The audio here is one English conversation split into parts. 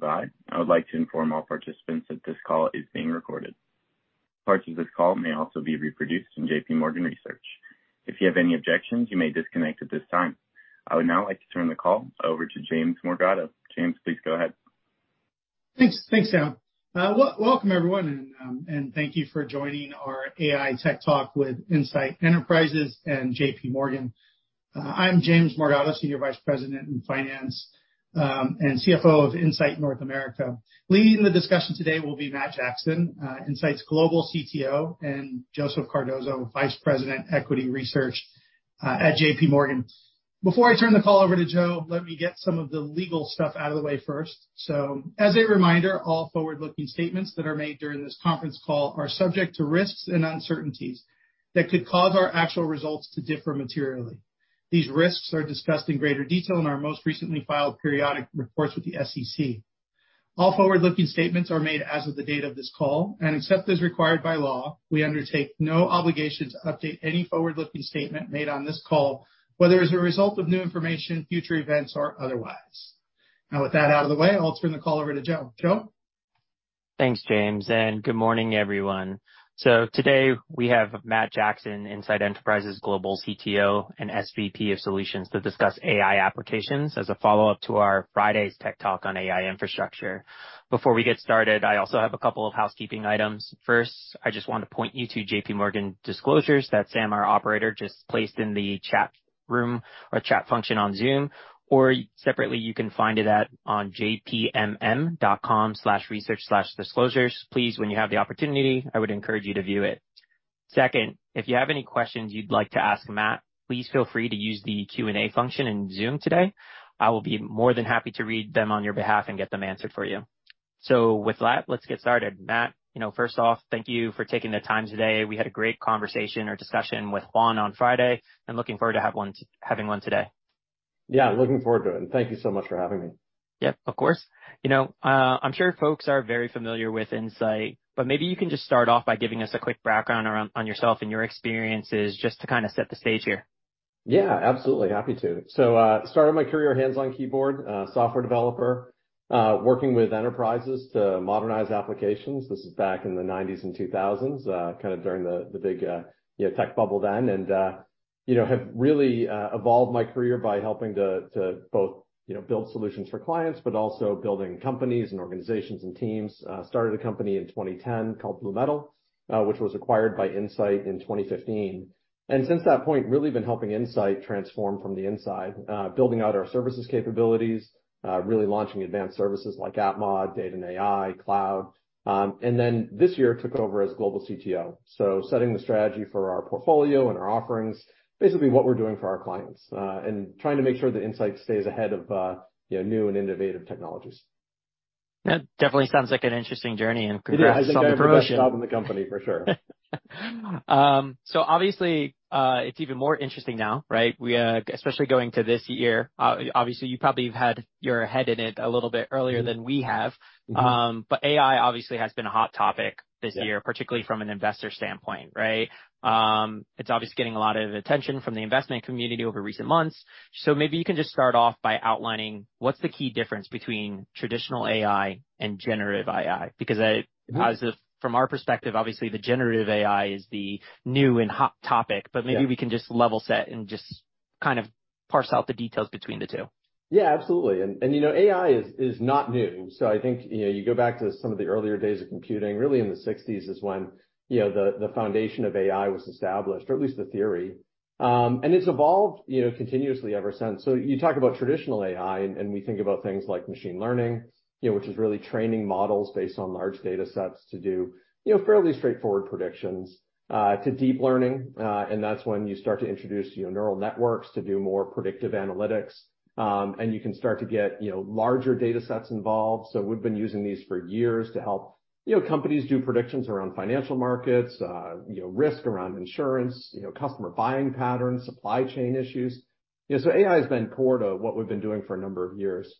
Welcome, and thank you for standing by. I would like to inform all participants that this call is being recorded. Parts of this call may also be reproduced in JPMorgan Research. If you have any objections, you may disconnect at this time. I would now like to turn the call over to James Morgado. James, please go ahead. Thanks. Thanks, Sam. Welcome everyone, and thank you for joining our AI Tech Talk with Insight Enterprises and JPMorgan. I'm James Morgado, Senior Vice President in Finance, and CFO of Insight North America. Leading the discussion today will be Matt Jackson, Insight's Global CTO, and Joseph Cardoso, Vice President, Equity Research, at JPMorgan. Before I turn the call over to Joe, let me get some of the legal stuff out of the way first. As a reminder, all forward-looking statements that are made during this conference call are subject to risks and uncertainties that could cause our actual results to differ materially. These risks are discussed in greater detail in our most recently filed periodic reports with the SEC. All forward-looking statements are made as of the date of this call, and except as required by law, we undertake no obligations to update any forward-looking statement made on this call, whether as a result of new information, future events, or otherwise. Now, with that out of the way, I'll turn the call over to Joe. Joe? Thanks, James. Good morning, everyone. Today we have Matt Jackson, Insight Enterprises Global CTO and SVP of Solutions, to discuss AI applications as a follow-up to our Friday's Tech Talk on AI infrastructure. Before we get started, I also have a couple of housekeeping items. First, I just want to point you to JPMorgan disclosures that Sam, our operator, just placed in the chat room or chat function on Zoom, or separately, you can find it on jpmm.com/research/disclosures. Please, when you have the opportunity, I would encourage you to view it. Second, if you have any questions you'd like to ask Matt, please feel free to use the Q&A function in Zoom today. I will be more than happy to read them on your behalf and get them answered for you. With that, let's get started. Matt, you know, first off, thank you for taking the time today. We had a great conversation or discussion with Juan on Friday, and looking forward to having one today. Yeah, looking forward to it, and thank you so much for having me. Yep, of course. You know, I'm sure folks are very familiar with Insight, maybe you can just start off by giving us a quick background on yourself and your experiences, just to kind of set the stage here. Yeah, absolutely. Happy to. Started my career, hands-on keyboard, software developer, working with enterprises to modernize applications. This is back in the 1990s and 2000s, kind of during the big, you know, tech bubble then. You know, have really evolved my career by helping to both, you know, build solutions for clients, but also building companies and organizations and teams. Started a company in 2010 called BlueMetal, which was acquired by Insight in 2015, and since that point, really been helping Insight transform from the inside. Building out our services capabilities, really launching advanced services like app mod, Data and AI, Cloud. Then, this year took over as global CTO, so setting the strategy for our portfolio and our offerings, basically what we're doing for our clients, and trying to make sure that Insight stays ahead of, you know, new and innovative technologies. That definitely sounds like an interesting journey, and congrats on the promotion. It is. I think I have the best job in the company, for sure. Obviously, it's even more interesting now, right? We, especially going to this year, obviously you probably have had your head in it a little bit earlier than we have. Mm-hmm. AI obviously has been a hot topic this year. Yeah Particularly from an investor standpoint, right? It's obviously getting a lot of attention from the investment community over recent months. Maybe you can just start off by outlining what's the key difference between traditional AI and generative AI? Mm-hmm positive from our perspective, obviously the generative AI is the new and hot topic. Yeah. maybe we can just level set and just kind of parse out the details between the two. Yeah, absolutely. You know, AI is not new. I think, you know, you go back to some of the earlier days of computing, really in the 1960s is when, you know, the foundation of AI was established, or at least the theory. It's evolved, you know, continuously ever since. You talk about traditional AI, we think about things like machine learning, you know, which is really training models based on large data sets to do, you know, fairly straightforward predictions, to deep learning. That's when you start to introduce, you know, neural networks to do more predictive analytics. You can start to get, you know, larger data sets involved. We've been using these for years to help, you know, companies do predictions around financial markets, you know, risk around insurance, you know, customer buying patterns, supply chain issues. You know, AI has been core to what we've been doing for a number of years.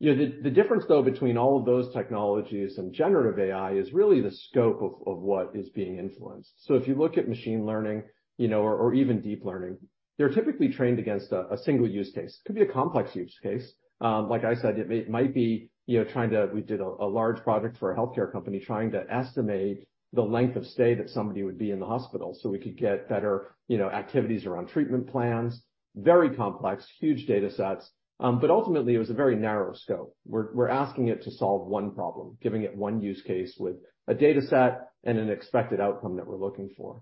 You know, the difference, though, between all of those technologies and generative AI is really the scope of what is being influenced. If you look at machine learning, you know, or even deep learning, they're typically trained against a single use case. It could be a complex use case. Like I said, it might be, you know, We did a large project for a healthcare company, trying to estimate the length of stay that somebody would be in the hospital so we could get better, you know, activities around treatment plans. Very complex, huge data sets, but ultimately it was a very narrow scope. We're asking it to solve one problem, giving it one use case with a data set and an expected outcome that we're looking for.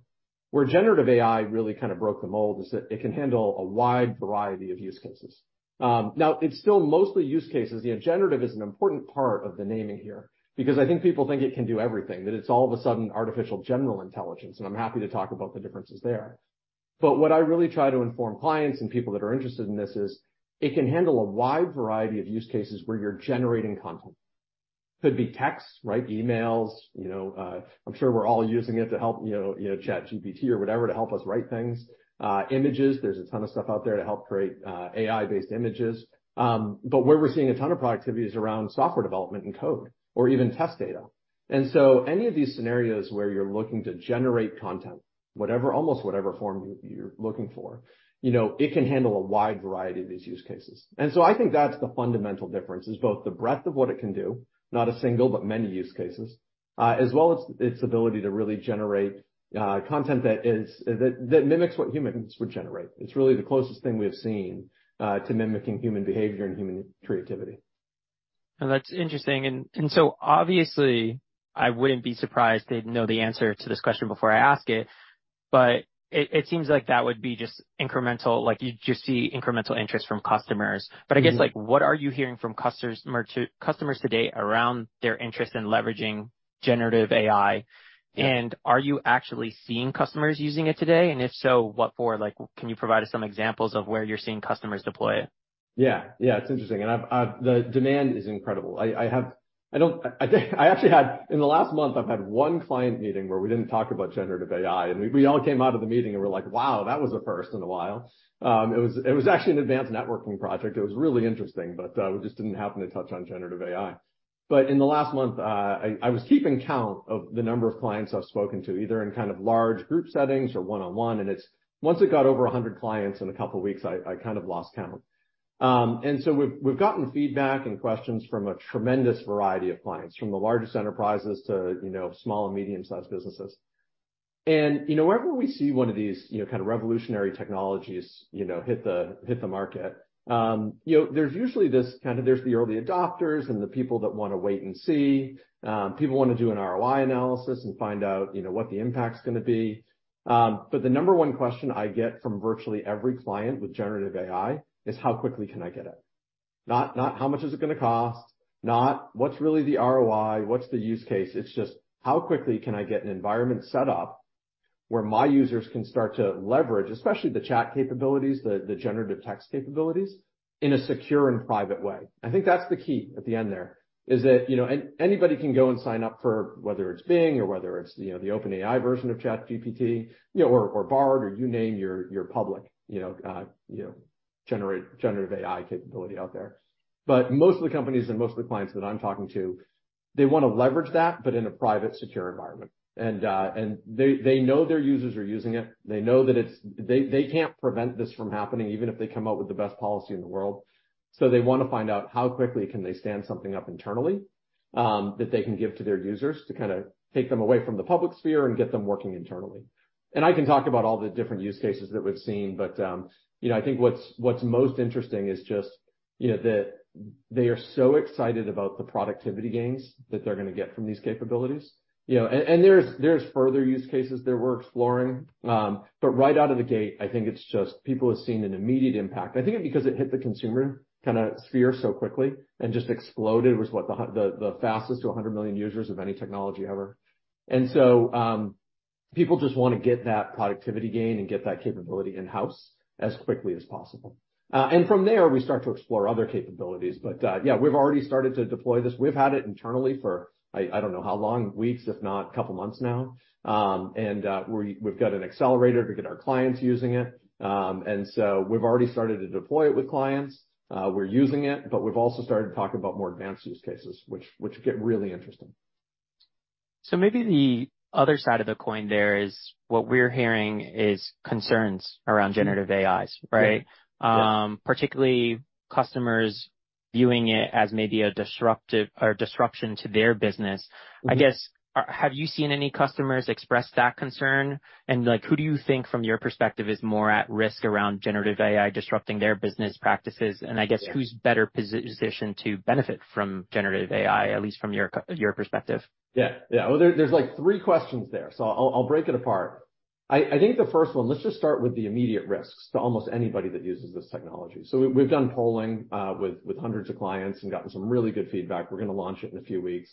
Where generative AI really kind of broke the mold is that it can handle a wide variety of use cases. Now, it's still mostly use cases. You know, generative is an important part of the naming here, because I think people think it can do everything, that it's all of a sudden artificial general intelligence, and I'm happy to talk about the differences there. What I really try to inform clients and people that are interested in this is, it can handle a wide variety of use cases where you're generating content. Could be texts, right, emails, you know, I'm sure we're all using it to help, you know, ChatGPT or whatever, to help us write things. Images, there's a ton of stuff out there to help create AI-based images. Where we're seeing a ton of productivity is around software development and code or even test data. And so any of these scenarios where you're looking to generate content, whatever, almost whatever form you're looking for, you know, it can handle a wide variety of these use cases. I think that's the fundamental difference, is both the breadth of what it can do, not a single, but many use cases. As well as its ability to really generate content that mimics what humans would generate. It's really the closest thing we have seen to mimicking human behavior and human creativity. That's interesting. Obviously, I wouldn't be surprised to know the answer to this question before I ask it, but it seems like that would be just incremental, like, you just see incremental interest from customers. Mm-hmm. I guess, like, what are you hearing from customers today around their interest in leveraging generative AI? Yeah. And are you actually seeing customers using it today? If so, what for? Like, can you provide us some examples of where you're seeing customers deploy it? Yeah. Yeah, it's interesting, and I've, the demand is incredible. I actually had. In the last month, I've had one client meeting where we didn't talk about generative AI. We, we all came out of the meeting, and we're like: Wow, that was a first in a while. It was actually an advanced networking project. It was really interesting, but, we just didn't happen to touch on generative AI. In the last month, I was keeping count of the number of clients I've spoken to, either in kind of large group settings or one-on-one, and once it got over 100 clients in couple of weeks, I kind of lost count. We've gotten feedback and questions from a tremendous variety of clients, from the largest enterprises to, you know, small and medium-sized businesses. You know, wherever we see one of these, you know, kind of revolutionary technologies, you know, hit the market, you know, there's usually this kind of there's the early adopters and the people that wanna wait and see. People wanna do an ROI analysis and find out, you know, what the impact's gonna be. The number one question I get from virtually every client with generative AI is: How quickly can I get it? Not, not how much is it gonna cost, not what's really the ROI, what's the use case? It's just, how quickly can I get an environment set up where my users can start to leverage, especially the chat capabilities, the generative text capabilities, in a secure and private way? I think that's the key at the end there, is that, you know, and anybody can go and sign up for whether it's Bing or whether it's, you know, the OpenAI version of ChatGPT, you know, or Bard, or you name your public, you know, generative AI capability out there. Most of the companies and most of the clients that I'm talking to, they wanna leverage that, but in a private, secure environment. They know their users are using it. They know that they can't prevent this from happening, even if they come out with the best policy in the world. They wanna find out how quickly can they stand something up internally that they can give to their users to kinda take them away from the public sphere and get them working internally. I can talk about all the different use cases that we've seen, but, you know, I think what's most interesting is just, you know, that they are so excited about the productivity gains that they're gonna get from these capabilities. You know, and there's further use cases that we're exploring. Right out of the gate, I think it's just people have seen an immediate impact. I think it because it hit the consumer kinda sphere so quickly and just exploded. It was, what, the fastest to 100 million users of any technology ever. And so people just wanna get that productivity gain and get that capability in-house as quickly as possible. From there, we start to explore other capabilities, but, yeah, we've already started to deploy this. We've had it internally for, I don't know how long, weeks, if not a couple months now. We've got an accelerator to get our clients using it. We've already started to deploy it with clients. We're using it, but we've also started talking about more advanced use cases, which get really interesting. Maybe the other side of the coin there is what we're hearing is concerns around generative AIs, right? Yeah. Yeah. Particularly customers viewing it as maybe a disruptive or a disruption to their business. Mm-hmm. I guess, have you seen any customers express that concern? Like, who do you think, from your perspective, is more at risk around generative AI disrupting their business practices? I guess, who's better positioned to benefit from generative AI, at least from your perspective? Yeah. Yeah. Well, there's, like, three questions there, I'll break it apart. I think the first one, let's just start with the immediate risks to almost anybody that uses this technology. We've done polling, with hundreds of clients and gotten some really good feedback. We're gonna launch it in a few weeks.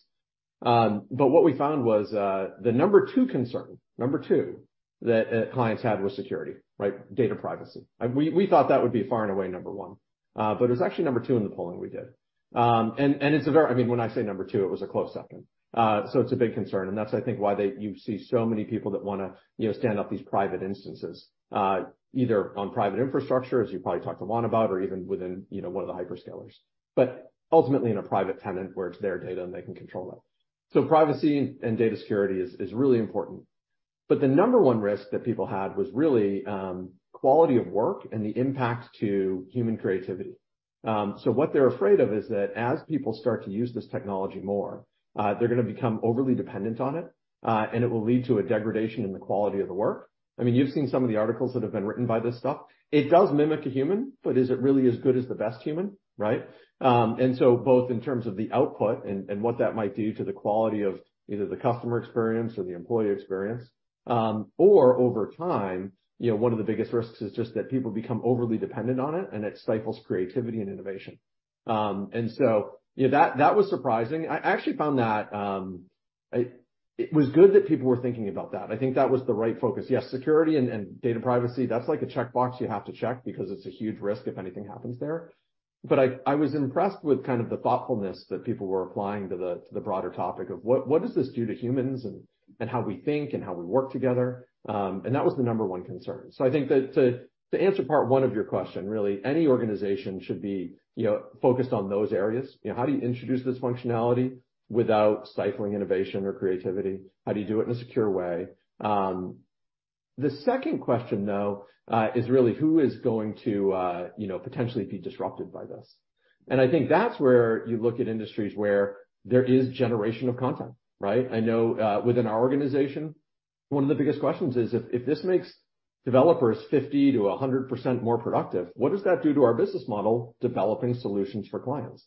What we found was, the number two concern, number two, that clients had was security, right? Data privacy. We thought that would be far and away number one, but it was actually number two in the polling we did. It's a very, I mean, when I say number two, it was a close second. It's a big concern, and that's, I think, why you see so many people that wanna, you know, stand up these private instances, either on private infrastructure, as you probably talked to Juan about, or even within, you know, one of the hyperscalers, but ultimately in a private tenant, where it's their data, and they can control that. Privacy and data security is really important. The number one risk that people had was really, quality of work and the impact to human creativity. What they're afraid of is that as people start to use this technology more, they're gonna become overly dependent on it, and it will lead to a degradation in the quality of the work. I mean, you've seen some of the articles that have been written by this stuff. It does mimic a human, but is it really as good as the best human, right? So both in terms of the output and what that might do to the quality of either the customer experience or the employee experience, or over time, you know, one of the biggest risks is just that people become overly dependent on it, and it stifles creativity and innovation. So, you know, that was surprising. I actually found that, it was good that people were thinking about that. I think that was the right focus. Yes, security and data privacy, that's like a checkbox you have to check because it's a huge risk if anything happens there. I was impressed with kind of the thoughtfulness that people were applying to the broader topic of what does this do to humans and how we think and how we work together? That was the number one concern. I think that, to answer part one of your question, really, any organization should be, you know, focused on those areas. You know, how do you introduce this functionality without stifling innovation or creativity? How do you do it in a secure way? The second question, though, is really who is going to, you know, potentially be disrupted by this? I think that's where you look at industries where there is generation of content, right? I know, within our organization, one of the biggest questions is, if this makes developers 50%-100% more productive, what does that do to our business model, developing solutions for clients?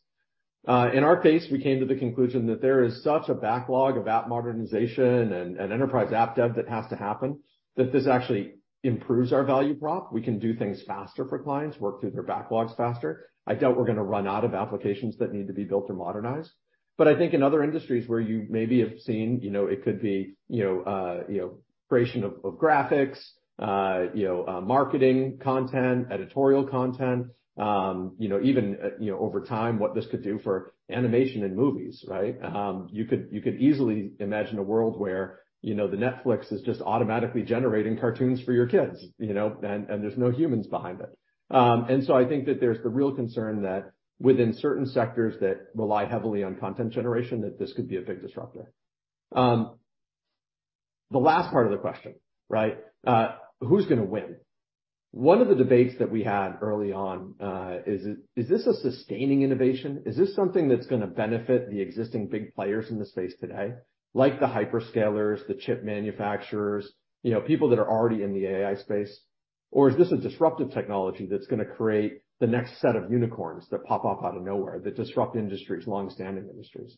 In our case, we came to the conclusion that there is such a backlog of app modernization and enterprise app dev that has to happen, that this actually improves our value prop. We can do things faster for clients, work through their backlogs faster. I doubt we're gonna run out of applications that need to be built or modernized, I think in other industries where you maybe have seen, you know, it could be, you know, creation of graphics, you know, marketing content, editorial content, you know, even, you know, over time, what this could do for animation and movies, right? You could easily imagine a world where, you know, the Netflix is just automatically generating cartoons for your kids, you know, and there's no humans behind it. I think that there's the real concern that within certain sectors that rely heavily on content generation, that this could be a big disruptor. The last part of the question, right, who's gonna win? One of the debates that we had early on, is this a sustaining innovation? Is this something that's gonna benefit the existing big players in the space today, like the hyperscalers, the chip manufacturers, you know, people that are already in the AI space? Or is this a disruptive technology that's gonna create the next set of unicorns that pop up out of nowhere, that disrupt industries, long-standing industries?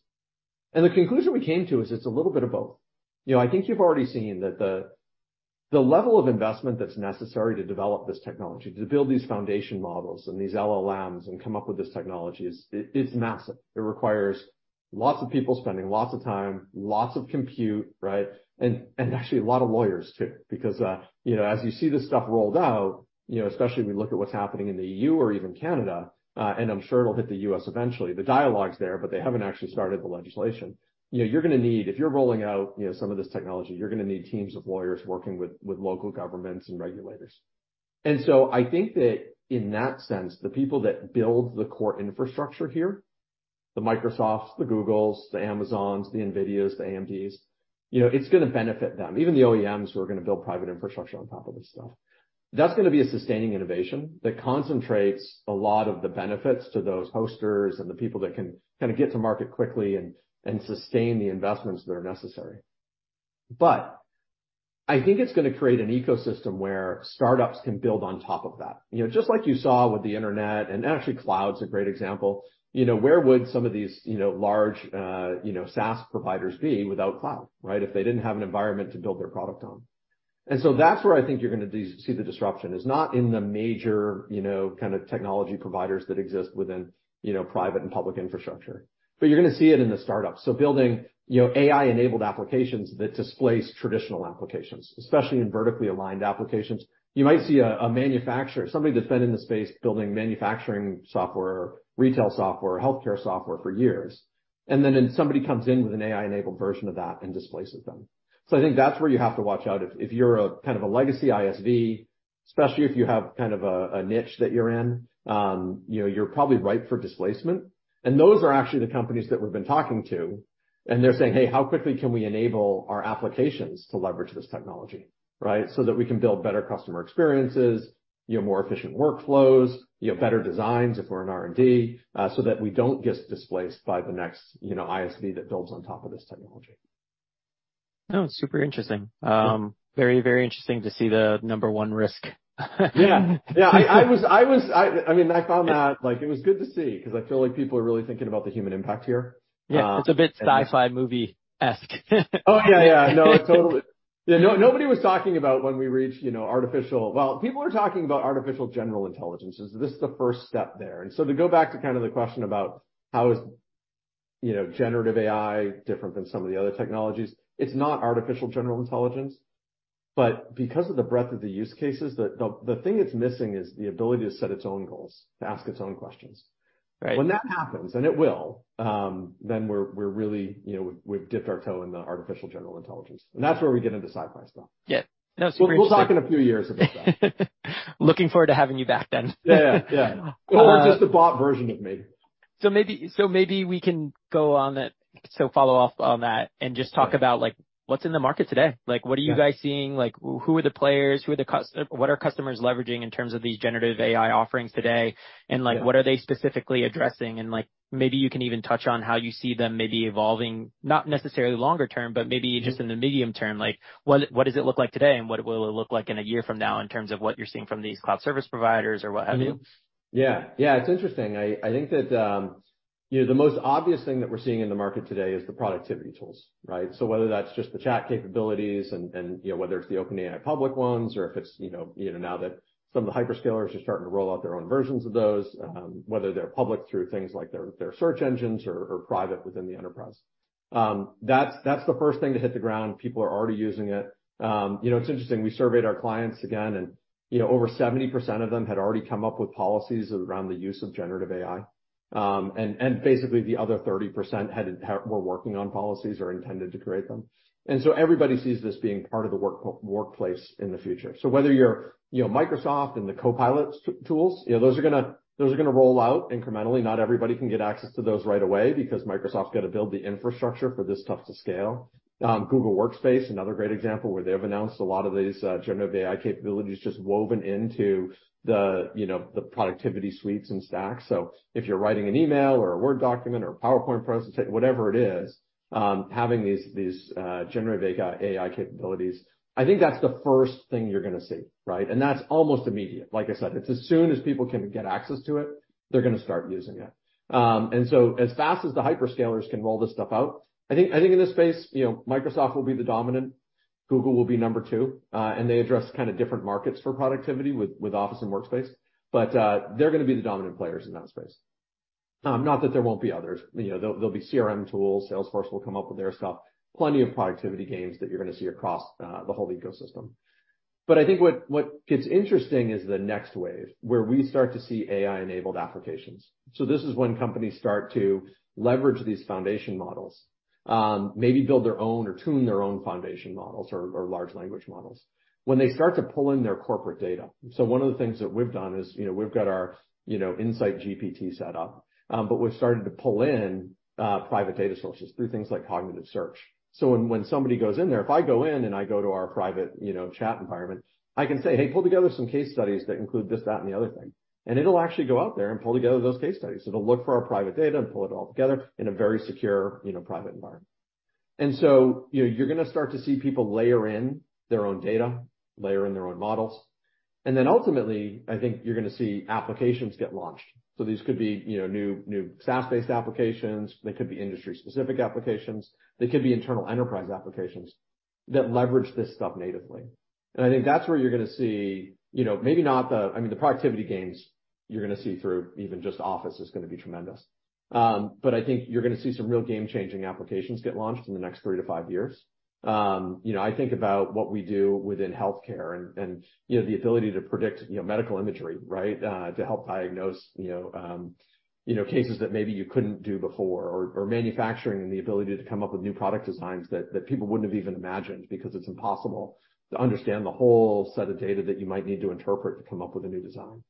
The conclusion we came to is it's a little bit of both. You know, I think you've already seen that the level of investment that's necessary to develop this technology, to build these foundation models and these LLMs and come up with this technology is. It's massive. It requires lots of people spending lots of time, lots of compute, right? And actually, a lot of lawyers, too, because, you know, as you see this stuff rolled out, you know, especially we look at what's happening in the EU or even Canada, and I'm sure it'll hit the US eventually, the dialogue's there, but they haven't actually started the legislation. You know, you're gonna need if you're rolling out, you're gonna need teams of lawyers working with local governments and regulators. I think that in that sense, the people that build the core infrastructure here, the Microsofts, the Googles, the Amazons, the NVIDIAs, the AMDs, you know, it's gonna benefit them, even the OEMs who are gonna build private infrastructure on top of this stuff. That's gonna be a sustaining innovation that concentrates a lot of the benefits to those hosters and the people that can kinda get to market quickly and sustain the investments that are necessary. I think it's gonna create an ecosystem where startups can build on top of that. You know, just like you saw with the internet, and actually, cloud's a great example. You know, where would some of these, you know, large, you know, SaaS providers be without cloud, right? If they didn't have an environment to build their product on. That's where I think you're gonna see the disruption, is not in the major, you know, kind of technology providers that exist within, you know, private and public infrastructure, but you're gonna see it in the startups. Building, you know, AI-enabled applications that displace traditional applications, especially in vertically aligned applications. You might see a manufacturer, somebody that's been in the space building manufacturing software, retail software, healthcare software for years, and then somebody comes in with an AI-enabled version of that and displaces them. I think that's where you have to watch out. If you're a kind of a legacy ISV, especially if you have kind of a niche that you're in, you know, you're probably ripe for displacement. Those are actually the companies that we've been talking to, and they're saying, "Hey, how quickly can we enable our applications to leverage this technology, right? That we can build better customer experiences, you know, more efficient workflows, you know, better designs if we're in R&D, so that we don't get displaced by the next, you know, ISV that builds on top of this technology. No, it's super interesting. Very interesting to see the number one risk. Yeah, I was. I mean, I found that, like, it was good to see, cause I feel like people are really thinking about the human impact here. Yeah, it's a bit sci-fi movie-esque. Oh, yeah. No, totally. Yeah, nobody was talking about when we reach, you know. Artificial well, people are talking about artificial general intelligence. This is the first step there. To go back to kind of the question about how is, you know, generative AI different than some of the other technologies, it's not artificial general intelligence, but because of the breadth of the use cases, the thing that's missing is the ability to set its own goals, to ask its own questions. Right. When that happens, and it will, we're really, you know, we've dipped our toe in the artificial general intelligence, and that's where we get into sci-fi stuff. Yeah. No, super interesting. We'll talk in a few years about that. Looking forward to having you back then. Yeah. Or just a bot version of me. Maybe we can go on that. Follow off on that and just talk about, like, what's in the market today. Yeah. Like, what are you guys seeing? Like, who are the players? What are customers leveraging in terms of these generative AI offerings today? Yeah. like, what are they specifically addressing? like, maybe you can even touch on how you see them maybe evolving, not necessarily longer term, but maybe- Yeah just in the medium term, like what does it look like today, and what will it look like in a year from now in terms of what you're seeing from these cloud service providers or what have you? Yeah. Yeah, it's interesting. I think that, you know, the most obvious thing that we're seeing in the market today is the productivity tools, right? Whether that's just the chat capabilities and, you know, whether it's the OpenAI public ones or if it's, you know, now that some of the hyperscalers are starting to roll out their own versions of those, whether they're public through things like their search engines or private within the enterprise. That's the first thing to hit the ground. People are already using it. You know, it's interesting, we surveyed our clients again, you know, over 70% of them had already come up with policies around the use of generative AI. Basically the other 30% were working on policies or intended to create them. Everybody sees this being part of the workplace in the future. Whether you're, you know, Microsoft and the Copilot tools, you know, those are gonna, those are gonna roll out incrementally. Not everybody can get access to those right away because Microsoft's got to build the infrastructure for this stuff to scale. Google Workspace, another great example, where they've announced a lot of these, generative AI capabilities just woven into the, you know, the productivity suites and stacks. If you're writing an email or a Word document or a PowerPoint presentation, whatever it is, having these, generative AI capabilities, I think that's the first thing you're gonna see, right? That's almost immediate. Like I said, it's as soon as people can get access to it, they're gonna start using it. As fast as the hyperscalers can roll this stuff out, I think in this space, you know, Microsoft will be the dominant, Google will be number two, and they address kind of different markets for productivity with Office and Workspace, but they're gonna be the dominant players in that space. Not that there won't be others. You know, there'll be CRM tools. Salesforce will come up with their stuff. Plenty of productivity gains that you're gonna see across the whole ecosystem. I think what gets interesting is the next wave, where we start to see AI-enabled applications. This is when companies start to leverage these foundation models, maybe build their own or tune their own foundation models or large language models. When they start to pull in their corporate data. One of the things that we've done is, you know, we've got our, you know, InsightGPT set up, but we've started to pull in private data sources through things like cognitive search. When somebody goes in there, if I go in and I go to our private, you know, chat environment, I can say, "Hey, pull together some case studies that include this, that, and the other thing." It'll actually go out there and pull together those case studies. It'll look for our private data and pull it all together in a very secure, you know, private environment. You know, you're gonna start to see people layer in their own data, layer in their own models, and then ultimately, I think you're gonna see applications get launched. These could be, you know, new SaaS-based applications. They could be industry-specific applications. They could be internal enterprise applications that leverage this stuff natively. I think that's where you're gonna see, you know, I mean, the productivity gains you're gonna see through even just Office is gonna be tremendous. I think you're gonna see some real game-changing applications get launched in the next three to five years. You know, I think about what we do within healthcare and, you know, the ability to predict, you know, medical imagery, right? To help diagnose, you know, cases that maybe you couldn't do before or manufacturing and the ability to come up with new product designs that people wouldn't have even imagined, because it's impossible to understand the whole set of data that you might need to interpret to come up with a new design.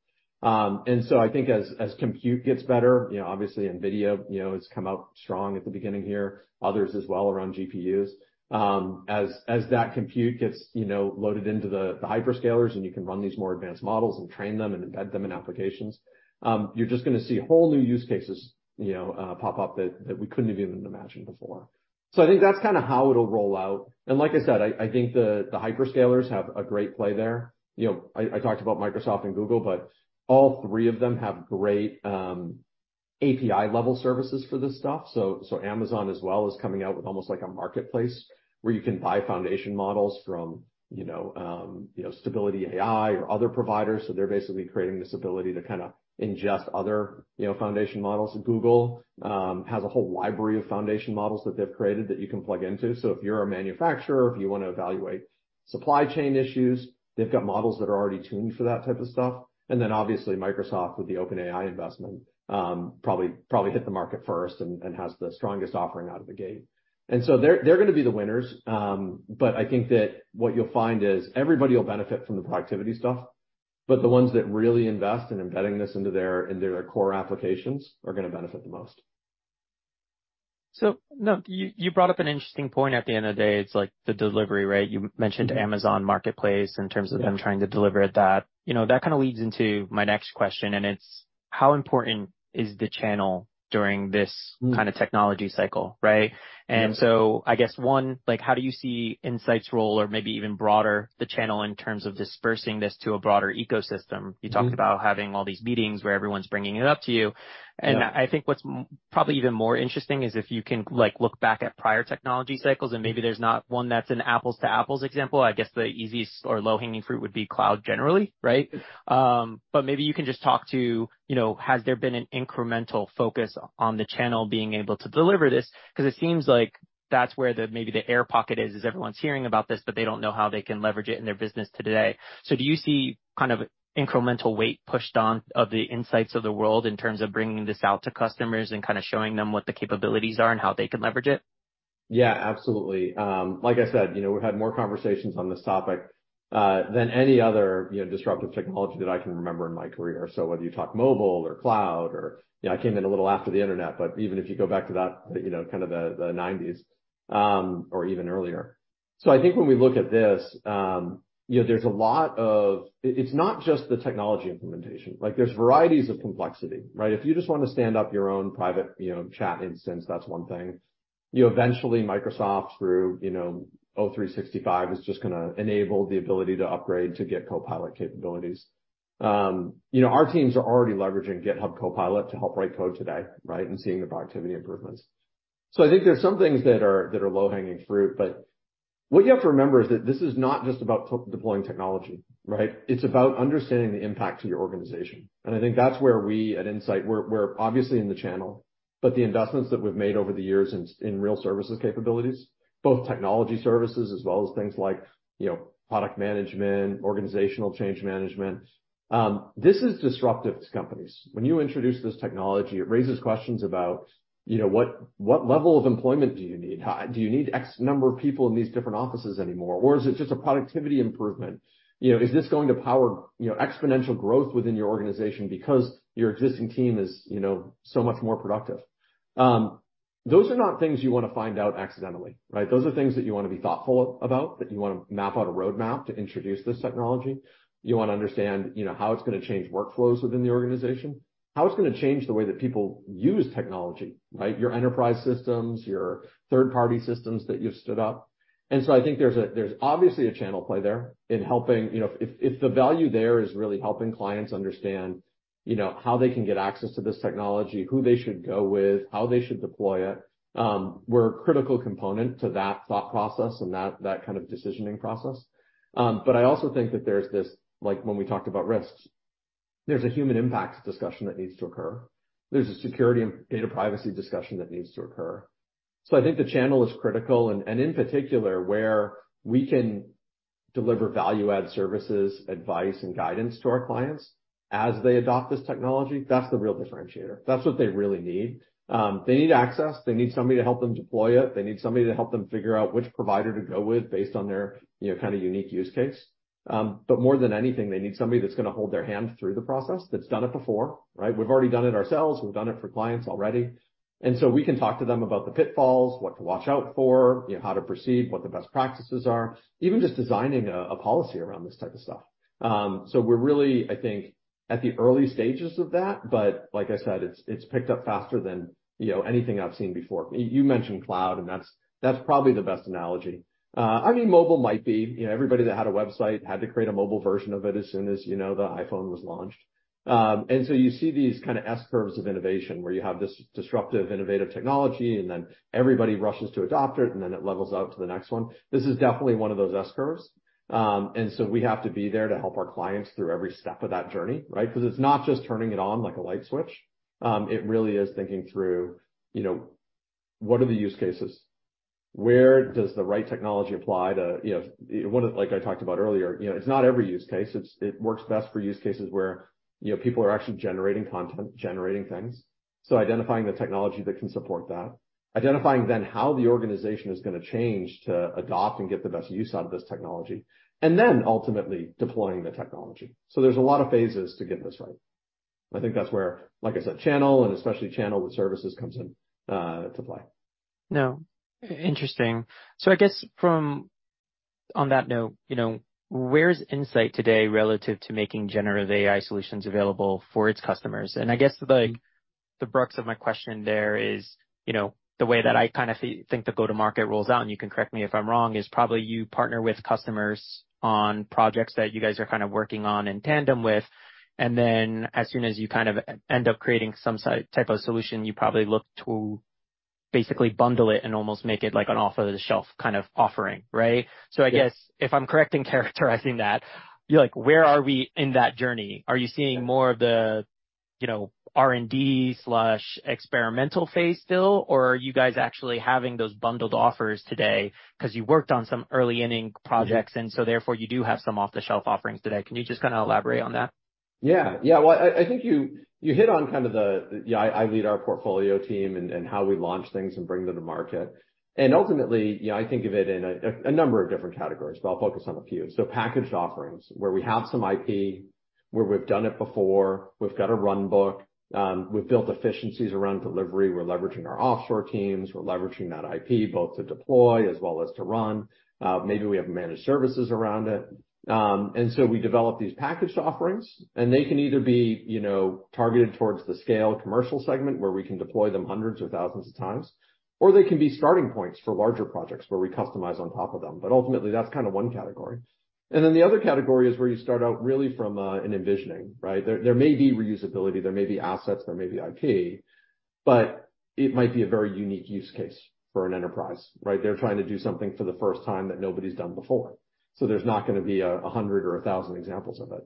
I think as compute gets better, you know, obviously, NVIDIA, you know, has come out strong at the beginning here, others as well, around GPUs. As, as that compute gets, you know, loaded into the hyperscalers, and you can run these more advanced models and train them and embed them in applications, you're just gonna see whole new use cases, you know, pop up that we couldn't have even imagined before. I think that's kind of how it'll roll out, and like I said, I think the hyperscalers have a great play there. You know, I talked about Microsoft and Google, but all three of them have great API-level services for this stuff. Amazon as well is coming out with almost like a marketplace, where you can buy foundation models from, you know, Stability AI or other providers, so they're basically creating this ability to kind of ingest other, you know, foundation models. Google has a whole library of foundation models that they've created that you can plug into. If you're a manufacturer, if you want to evaluate supply chain issues, they've got models that are already tuned for that type of stuff. Obviously, Microsoft, with the OpenAI investment, probably hit the market first and has the strongest offering out of the gate. They're gonna be the winners, but I think that what you'll find is everybody will benefit from the productivity stuff, but the ones that really invest in embedding this into their core applications are gonna benefit the most. Now, you brought up an interesting point at the end of the day. It's like the delivery, righMm. Amazon Marketplace in terms of. Yeah Them trying to deliver that. You know, that kind of leads into my next question, and it's: how important is the channel during this? Mm kind of technology cycle, right? Yeah. I guess, one, like, how do you see Insight's role or maybe even broader, the channel in terms of dispersing this to a broader ecosystem Mm-hmm. You talked about having all these meetings where everyone's bringing it up to you. Yeah. I think what's probably even more interesting is if you can, like, look back at prior technology cycles, and maybe there's not one that's an apples to apples example. I guess the easiest or low-hanging fruit would be cloud generally, right? Maybe you can just talk to, you know, has there been an incremental focus on the channel being able to deliver this? Because it seems like that's where the, maybe the air pocket is everyone's hearing about this, but they don't know how they can leverage it in their business today. Do you see kind of incremental weight pushed on, of the Insights of the world in terms of bringing this out to customers and kind of showing them what the capabilities are and how they can leverage it? Yeah, absolutely. Like I said, you know, we've had more conversations on this topic than any other, you know, disruptive technology that I can remember in my career. Whether you talk mobile or cloud or. You know, I came in a little after the internet, but even if you go back to that, you know, kind of the nineties, or even earlier. I think when we look at this, you know, there's a lot of. It's not just the technology implementation. Like, there's varieties of complexity, right? If you just want to stand up your own private, you know, chat instance, that's one thing. You know, eventually, Microsoft through, you know, O365, is just gonna enable the ability to upgrade to get Copilot capabilities. You know, our teams are already leveraging GitHub Copilot to help write code today, right? Seeing the productivity improvements. I think there's some things that are low-hanging fruit, but what you have to remember is that this is not just about co-deploying technology, right? It's about understanding the impact to your organization, and I think that's where we at Insight, we're obviously in the channel. The investments that we've made over the years in real services capabilities, both technology services as well as things like, you know, product management, organizational change management, this is disruptive to companies. When you introduce this technology, it raises questions about, you know, what level of employment do you need? Do you need X number of people in these different offices anymore, or is it just a productivity improvement? You know, is this going to power, you know, exponential growth within your organization because your existing team is, you know, so much more productive? Those are not things you want to find out accidentally, right? Those are things that you want to be thoughtful about, that you want to map out a roadmap to introduce this technology. You want to understand, you know, how it's going to change workflows within the organization, how it's going to change the way that people use technology, right? Your enterprise systems, your third-party systems that you've stood up. I think there's obviously a channel play there in helping.. You know, if the value there is really helping clients understand, you know, how they can get access to this technology, who they should go with, how they should deploy it, we're a critical component to that thought process and that kind of decisioning process. I also think that there's this, like, when we talked about risks, there's a human impact discussion that needs to occur. There's a security and data privacy discussion that needs to occur. I think the channel is critical, and in particular, where we can deliver value-add services, advice, and guidance to our clients as they adopt this technology, that's the real differentiator. That's what they really need. They need access. They need somebody to help them deploy it. They need somebody to help them figure out which provider to go with based on their, you know, kind of unique use case. More than anything, they need somebody that's going to hold their hand through the process, that's done it before, right? We've already done it ourselves. We've done it for clients already, we can talk to them about the pitfalls, what to watch out for, you know, how to proceed, what the best practices are, even just designing a policy around this type of stuff. We're really, I think, at the early stages of that, but like I said, it's picked up faster than, you know, anything I've seen before. You mentioned cloud, that's probably the best analogy. I mean, mobile might be. You know, everybody that had a website had to create a mobile version of it as soon as, you know, the iPhone was launched. So you see these kind of S-curves of innovation, where you have this disruptive, innovative technology, and then everybody rushes to adopt it, and then it levels out to the next one. This is definitely one of those S-curves. So we have to be there to help our clients through every step of that journey, right? Because it's not just turning it on like a light switch. It really is thinking through, you know, what are the use cases? Where does the right technology apply to. You know, like I talked about earlier, you know, it's not every use case. It works best for use cases where, you know, people are actually generating content, generating things, so identifying the technology that can support that, identifying then how the organization is going to change to adopt and get the best use out of this technology, and then ultimately deploying the technology. There's a lot of phases to get this right. I think that's where, like I said, channel, and especially channel with services, comes in to play. No interesting. I guess on that note, you know, where's Insight today relative to making generative AI solutions available for its customers? I guess the buts of my question there is, you know, the way that I kind of think the go-to-market rolls out, and you can correct me if I'm wrong, is probably you partner with customers on projects that you guys are kind of working on in tandem with, and then as soon as you kind of end up creating some type of solution, you probably look to basically bundle it and almost make it like an off-the-shelf kind of offering, right? Yeah. I guess if I'm correct in characterizing that, you're like, where are we in that journey? Are you seeing more of the, you know, R&D/experimental phase still, or are you guys actually having those bundled offers today because you worked on some early-inning projects, and so therefore, you do have some off-the-shelf offerings today? Can you just kind of elaborate on that? Yeah, well, I think you hit on kind of the. I lead our portfolio team and how we launch things and bring them to market. Ultimately, you know, I think of it in a number of different categories, but I'll focus on a few. Packaged offerings, where we have some IP, where we've done it before, we've got a runbook, we've built efficiencies around delivery, we're leveraging our offshore teams, we're leveraging that IP both to deploy as well as to run. Maybe we have managed services around it. We develop these packaged offerings, and they can either be, you know, targeted towards the scale commercial segment, where we can deploy them hundreds of thousands of times, or they can be starting points for larger projects, where we customize on top of them, but ultimately, that's kind of one category. The other category is where you start out really from an envisioning, right? There, there may be reusability, there may be assets, there may be IP, but it might be a very unique use case for an enterprise, right? They're trying to do something for the first time that nobody's done before, so there's not going to be a, 100 or 1,000 examples of it.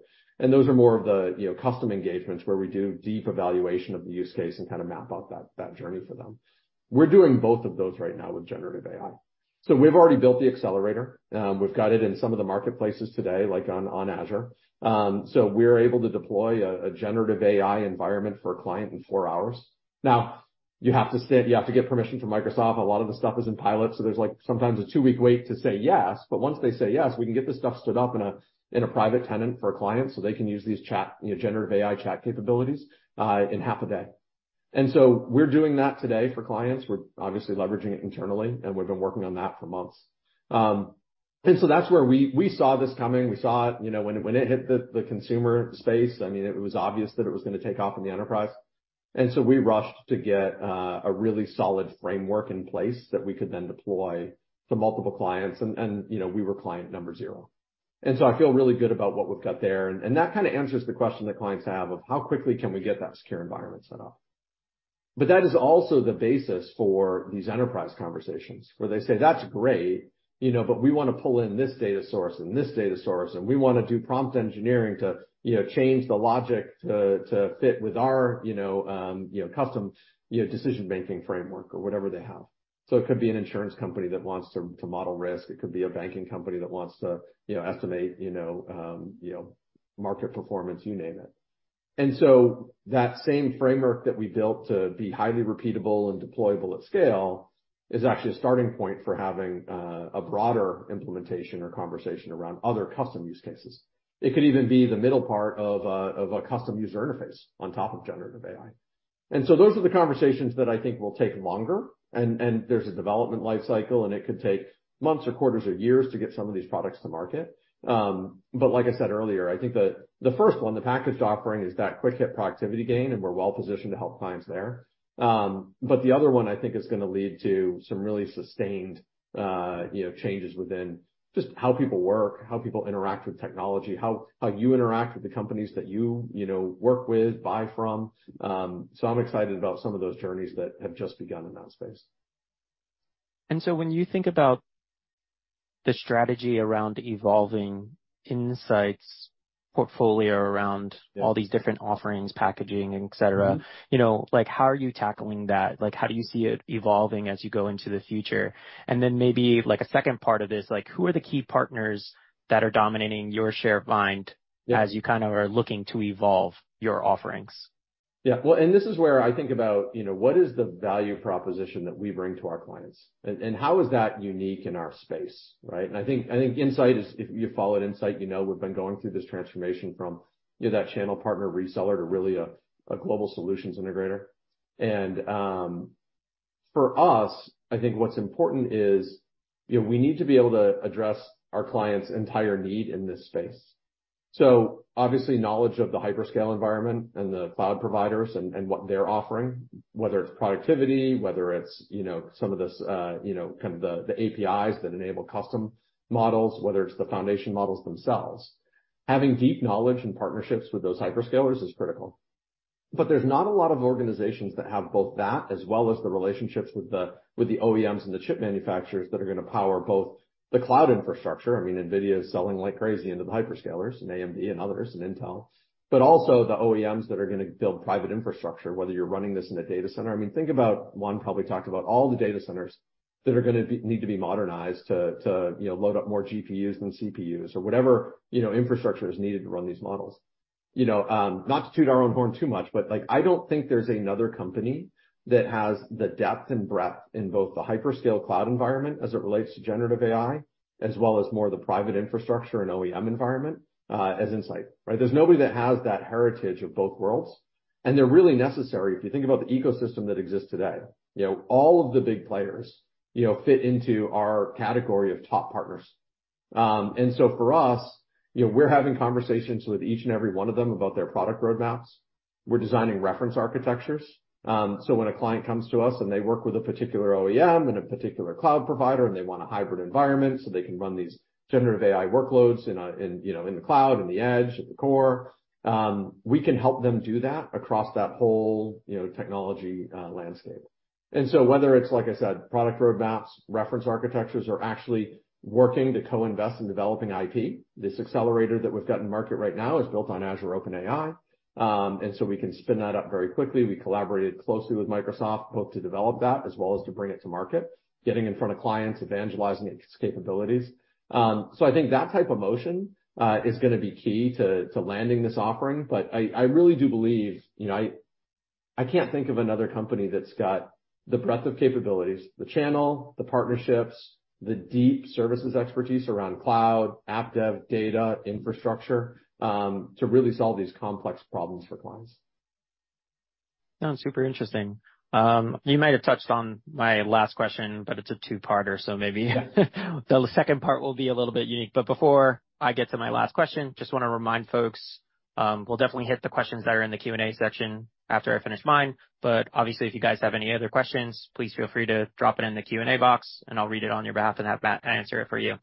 Those are more of the, you know, custom engagements, where we do deep evaluation of the use case and kind of map out that journey for them. We're doing both of those right now with generative AI. We've already built the accelerator. We've got it in some of the marketplaces today, like on Azure. We're able to deploy a generative AI environment for a client in four hours. You have to get permission from Microsoft. A lot of the stuff is in pilot, so there's, like, sometimes a two-week wait to say yes, but once they say yes, we can get this stuff stood up in a private tenant for a client, so they can use these chat, you know, generative AI chat capabilities in half a day. We're doing that today for clients. We're obviously leveraging it internally, and we've been working on that for months. That's where we saw this coming. We saw it, you know, when it hit the consumer space. I mean, it was obvious that it was going to take off in the enterprise, and so we rushed to get a really solid framework in place that we could then deploy to multiple clients, and, you know, we were client number zero. I feel really good about what we've got there, and that kind of answers the question that clients have of: How quickly can we get that secure environment set up? That is also the basis for these enterprise conversations, where they say, "That's great, you know, but we want to pull in this data source and this data source, and we want to do prompt engineering to, you know, change the logic to fit with our, you know, custom, you know, decision-making framework, or whatever they have. It could be an insurance company that wants to model risk. It could be a banking company that wants to, you know, estimate, you know, market performance, you name it. That same framework that we built to be highly repeatable and deployable at scale is actually a starting point for having a broader implementation or conversation around other custom use cases. It could even be the middle part of a custom user interface on top of generative AI. Those are the conversations that I think will take longer, and there's a development life cycle, and it could take months or quarters or years to get some of these products to market. Like I said earlier, I think the first one, the packaged offering, is that quick hit productivity gain, and we're well positioned to help clients there. The other one I think is gonna lead to some really sustained, you know, changes within just how people work, how people interact with technology, how you interact with the companies that you know, work with, buy from. I'm excited about some of those journeys that have just begun in that space. When you think about the strategy around evolving Insight's portfolio around. Yeah all these different offerings, packaging, et cetera. Mm-hmm. You know, like, how are you tackling that? Like, how do you see it evolving as you go into the future? Then maybe, like, a second part of this, like, who are the key partners that are dominating your share of mind? Yeah as you kind of are looking to evolve your offerings? Yeah. Well, this is where I think about, you know, what is the value proposition that we bring to our clients? How is that unique in our space, right? I think Insight is. If you followed Insight, you know we've been going through this transformation from, you know, that channel partner reseller to really a global solutions integrator. For us, I think what's important is, you know, we need to be able to address our clients entire need in this space. Obviously, knowledge of the hyperscale environment and the cloud providers and what they're offering, whether it's productivity, whether it's, you know, some of this, you know, kind of the APIs that enable custom models, whether it's the foundation models themselves. Having deep knowledge and partnerships with those hyperscalers is critical. There's not a lot of organizations that have both that, as well as the relationships with the, with the OEMs and the chip manufacturers that are going to power both the cloud infrastructure, I mean, NVIDIA is selling like crazy into the hyperscalers and AMD and others, and Intel, but also the OEMs that are going to build private infrastructure, whether you're running this in a data center. I mean, think about, Juan probably talked about all the data centers that need to be modernized to, you know, load up more GPUs than CPUs or whatever, you know, infrastructure is needed to run these models. You know, not to toot our own horn too much, but, like, I don't think there's another company that has the depth and breadth in both the hyperscale cloud environment as it relates to generative AI, as well as more of the private infrastructure and OEM environment, as Insight, right? There's nobody that has that heritage of both worlds, and they're really necessary. If you think about the ecosystem that exists today, you know, all of the big players, you know, fit into our category of top partners. For us, you know, we're having conversations with each and every one of them about their product roadmaps. We're designing reference architectures. When a client comes to us and they work with a particular OEM and a particular cloud provider, and they want a hybrid environment, so they can run these generative AI workloads in the cloud, in the edge, at the core, we can help them do that across that whole technology landscape. Whether it's, like I said, product roadmaps, reference architectures, or actually working to co-invest in developing IP, this accelerator that we've got in market right now is built on Azure OpenAI. We can spin that up very quickly. We collaborated closely with Microsoft, both to develop that as well as to bring it to market, getting in front of clients, evangelizing its capabilities. I think that type of motion is going to be key to landing this offering, but I really do believe. You know, I can't think of another company that's got the breadth of capabilities, the channel, the partnerships, the deep services expertise around cloud, app dev, data, infrastructure, to really solve these complex problems for clients. Sounds super interesting. You might have touched on my last question, but it's a two-parter, so maybe the second part will be a little bit unique. Before I get to my last question, just want to remind folks, we'll definitely hit the questions that are in the Q&A section after I finish mine, but obviously, if you guys have any other questions, please feel free to drop it in the Q&A box, and I'll read it on your behalf and have Matt answer it for you.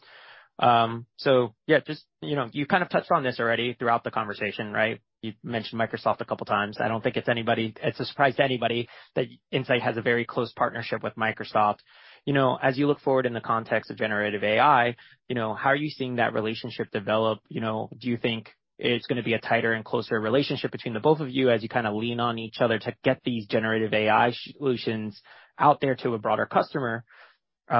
Yeah, just, you know, you kind of touched on this already throughout the conversation, right? You've mentioned Microsoft a couple times. I don't think it's a surprise to anybody that Insight has a very close partnership with Microsoft. You know, as you look forward in the context of generative AI, you know, how are you seeing that relationship develop? You know, do you think it's gonna be a tighter and closer relationship between the both of you as you kind of lean on each other to get these generative AI solutions out there to a broader customer? You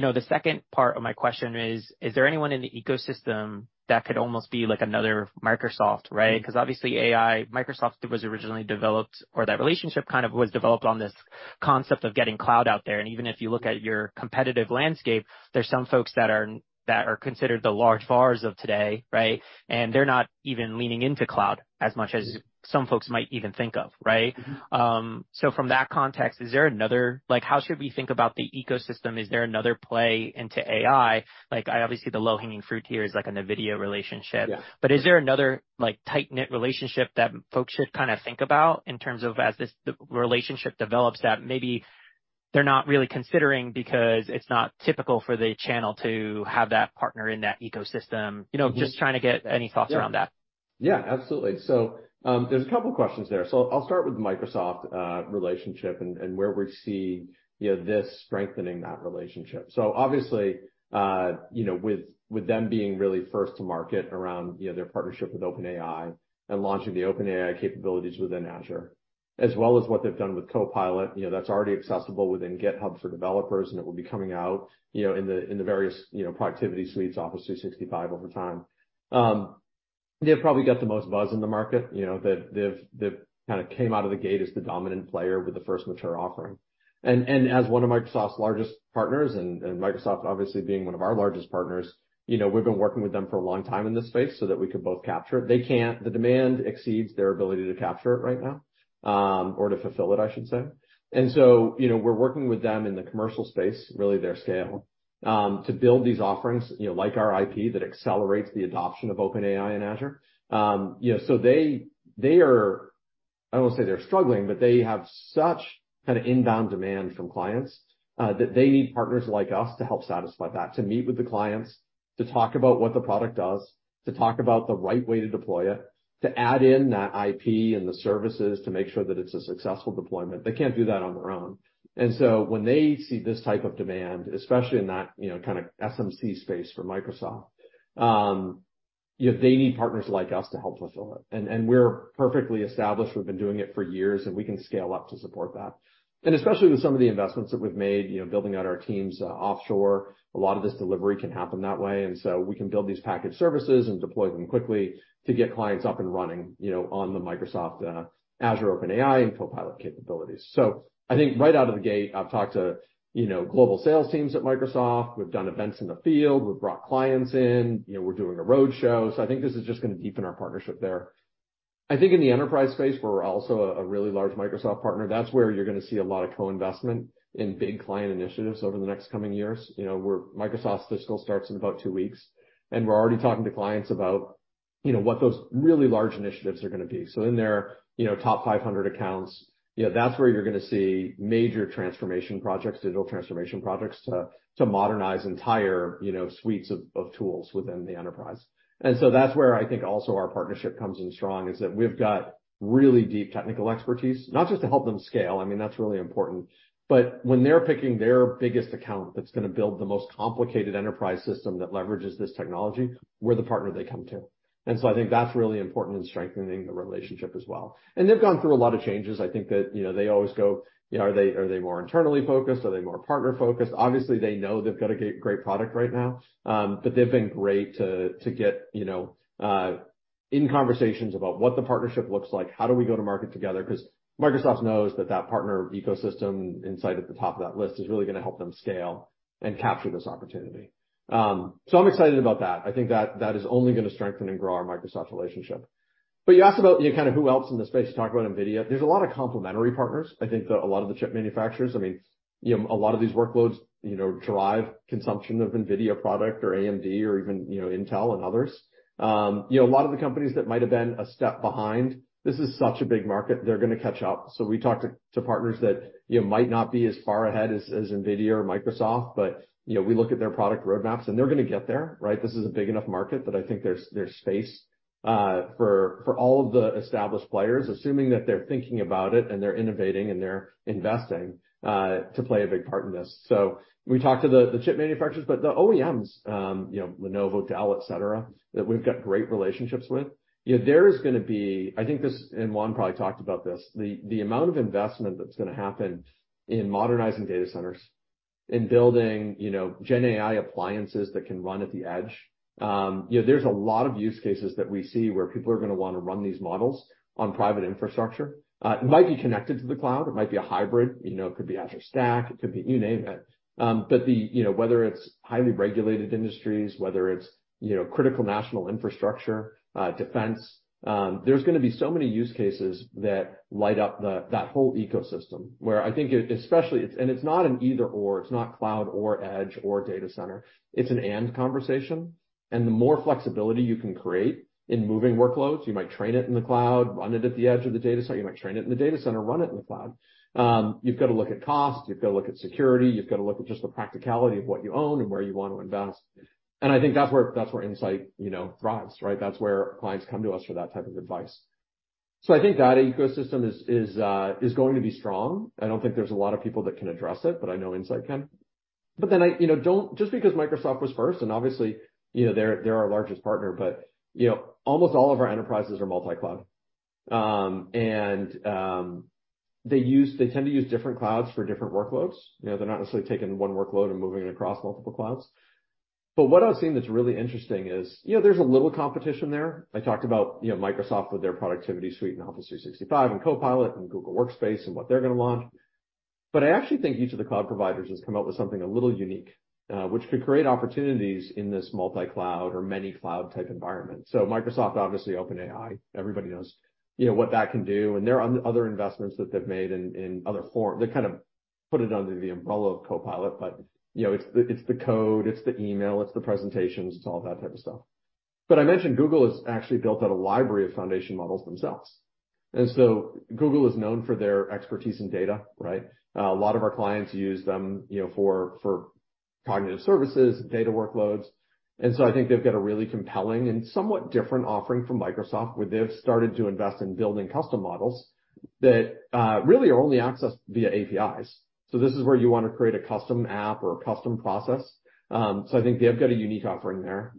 know, the second part of my question is: Is there anyone in the ecosystem that could almost be like another Microsoft, right? Mm-hmm. Obviously AI, Microsoft was originally developed, or that relationship kind of was developed on this concept of getting cloud out there. Even if you look at your competitive landscape, there's some folks that are, that are considered the large VARs of today, right? They're not even leaning into cloud as much as some folks might even think of, right? Mm-hmm. From that context, like, how should we think about the ecosystem? Is there another play into AI? Like, obviously, the low-hanging fruit here is like a NVIDIA relationship. Yeah. Is there another, like, tight-knit relationship that folks should kind of think about in terms of as this, the relationship develops, that maybe they're not really considering because it's not typical for the channel to have that partner in that ecosystem? Mm-hmm. You know, just trying to get any thoughts around that. Yeah, absolutely. There's a couple questions there. I'll start with the Microsoft relationship and where we see, you know, this strengthening that relationship. Obviously, you know, with them being really first to market around, you know, their partnership with OpenAI and launching the OpenAI capabilities within Azure, as well as what they've done with Copilot, you know, that's already accessible within GitHub for developers, and it will be coming out, you know, in the various, you know, productivity suites, Office 365 over time. They've probably got the most buzz in the market, you know, that they've kinda came out of the gate as the dominant player with the first mature offering. As one of Microsoft's largest partners, and Microsoft obviously being one of our largest partners, you know, we've been working with them for a long time in this space so that we could both capture it. The demand exceeds their ability to capture it right now, or to fulfill it, I should say. You know, we're working with them in the commercial space, really their scale, to build these offerings, you know, like our IP, that accelerates the adoption of OpenAI and Azure. You know, they are. I won't say they're struggling, but they have such kinda inbound demand from clients, that they need partners like us to help satisfy that, to meet with the clients, to talk about what the product does, to talk about the right way to deploy it, to add in that IP and the services to make sure that it's a successful deployment. They can't do that on their own. So when they see this type of demand, especially in that, you know, kinda SMC space for Microsoft, they need partners like us to help fulfill it, and we're perfectly established. We've been doing it for years, and we can scale up to support that. Especially with some of the investments that we've made, you know, building out our teams offshore, a lot of this delivery can happen that way. We can build these package services and deploy them quickly to get clients up and running, you know, on the Microsoft Azure, OpenAI, and Copilot capabilities. I think right out of the gate, I've talked to, you know, global sales teams at Microsoft. We've done events in the field. We've brought clients in. You know, we're doing a roadshow. I think this is just gonna deepen our partnership there. I think in the enterprise space, we're also a really large Microsoft partner. That's where you're gonna see a lot of co-investment in big client initiatives over the next coming years. You know, Microsoft's fiscal starts in about two weeks, and we're already talking to clients about, you know, what those really large initiatives are gonna be. In their, you know, top 500 accounts, you know, that's where you're gonna see major transformation projects, digital transformation projects, to modernize entire, you know, suites of tools within the enterprise. That's where I think also our partnership comes in strong, is that we've got really deep technical expertise, not just to help them scale, I mean, that's really important, but when they're picking their biggest account, that's gonna build the most complicated enterprise system that leverages this technology, we're the partner they come to. I think that's really important in strengthening the relationship as well. They've gone through a lot of changes. I think that, you know, they always go: You know, are they more internally focused? Are they more partner-focused? Obviously, they know they've got a great product right now, but they've been great to get, you know, in conversations about what the partnership looks like, how do we go to market together? Cause Microsoft knows that partner ecosystem, Insight at the top of that list, is really gonna help them scale and capture this opportunity. I'm excited about that. I think that is only gonna strengthen and grow our Microsoft relationship. You asked about, you know, kinda who else in the space to talk about NVIDIA. There's a lot of complementary partners. I think that a lot of the chip manufacturers, I mean, you know, a lot of these workloads, you know, drive consumption of NVIDIA product or AMD or even, you know, Intel and others. You know, a lot of the companies that might have been a step behind, this is such a big market, they're gonna catch up. We talked to partners that, you know, might not be as far ahead as NVIDIA or Microsoft, but, you know, we look at their product roadmaps, and they're gonna get there, right? This is a big enough market that I think there's space, for all of the established players, assuming that they're thinking about it and they're innovating and they're investing, to play a big part in this. We talked to the chip manufacturers, but the OEMs, you know, Lenovo, Dell, et cetera, that we've got great relationships with. You know, there is gonna be. I think this, and Juan probably talked about this, the amount of investment that's gonna happen in modernizing data centers, in building, you know, GenAI appliances that can run at the edge. You know, there's a lot of use cases that we see where people are gonna wanna run these models on private infrastructure. It might be connected to the cloud, it might be a hybrid, you know, it could be Azure Stack, it could be, you name it. The, you know, whether it's highly regulated industries, whether it's, you know, critical national infrastructure, defense, there's gonna be so many use cases that light up that whole ecosystem, where I think it especially, and it's not an either/or, it's not cloud or edge or data center. It's an "and" conversation, and the more flexibility you can create in moving workloads, you might train it in the cloud, run it at the edge of the data center. You might train it in the data center, run it in the cloud. You've got to look at cost, you've got to look at security, you've got to look at just the practicality of what you own and where you want to invest. I think that's where, that's where Insight, you know, thrives, right? That's where clients come to us for that type of advice. I think that ecosystem is going to be strong. I don't think there's a lot of people that can address it, but I know Insight can. I, you know, Just because Microsoft was first, and obviously, you know, they're our largest partner, you know, almost all of our enterprises are multi-cloud. They tend to use different clouds for different workloads. You know, they're not necessarily taking one workload and moving it across multiple clouds. What I've seen that's really interesting is, you know, there's a little competition there. I talked about, you know, Microsoft with their productivity suite and Office 365 and Copilot and Google Workspace and what they're gonna launch. I actually think each of the cloud providers has come up with something a little unique, which could create opportunities in this multi-cloud or many cloud-type environment. Microsoft, obviously, OpenAI. Everybody knows, you know, what that can do, and there are other investments that they've made in other forms. They kind of put it under the umbrella of Copilot, you know, it's the, it's the code, it's the email, it's the presentations, it's all that type of stuff. I mentioned Google has actually built out a library of foundation models themselves. Google is known for their expertise in data, right? A lot of our clients use them, you know, for cognitive services, data workloads. I think they've got a really compelling and somewhat different offering from Microsoft, where they've started to invest in building custom models that really are only accessed via APIs. This is where you want to create a custom app or a custom process. I think they've got a unique offering there.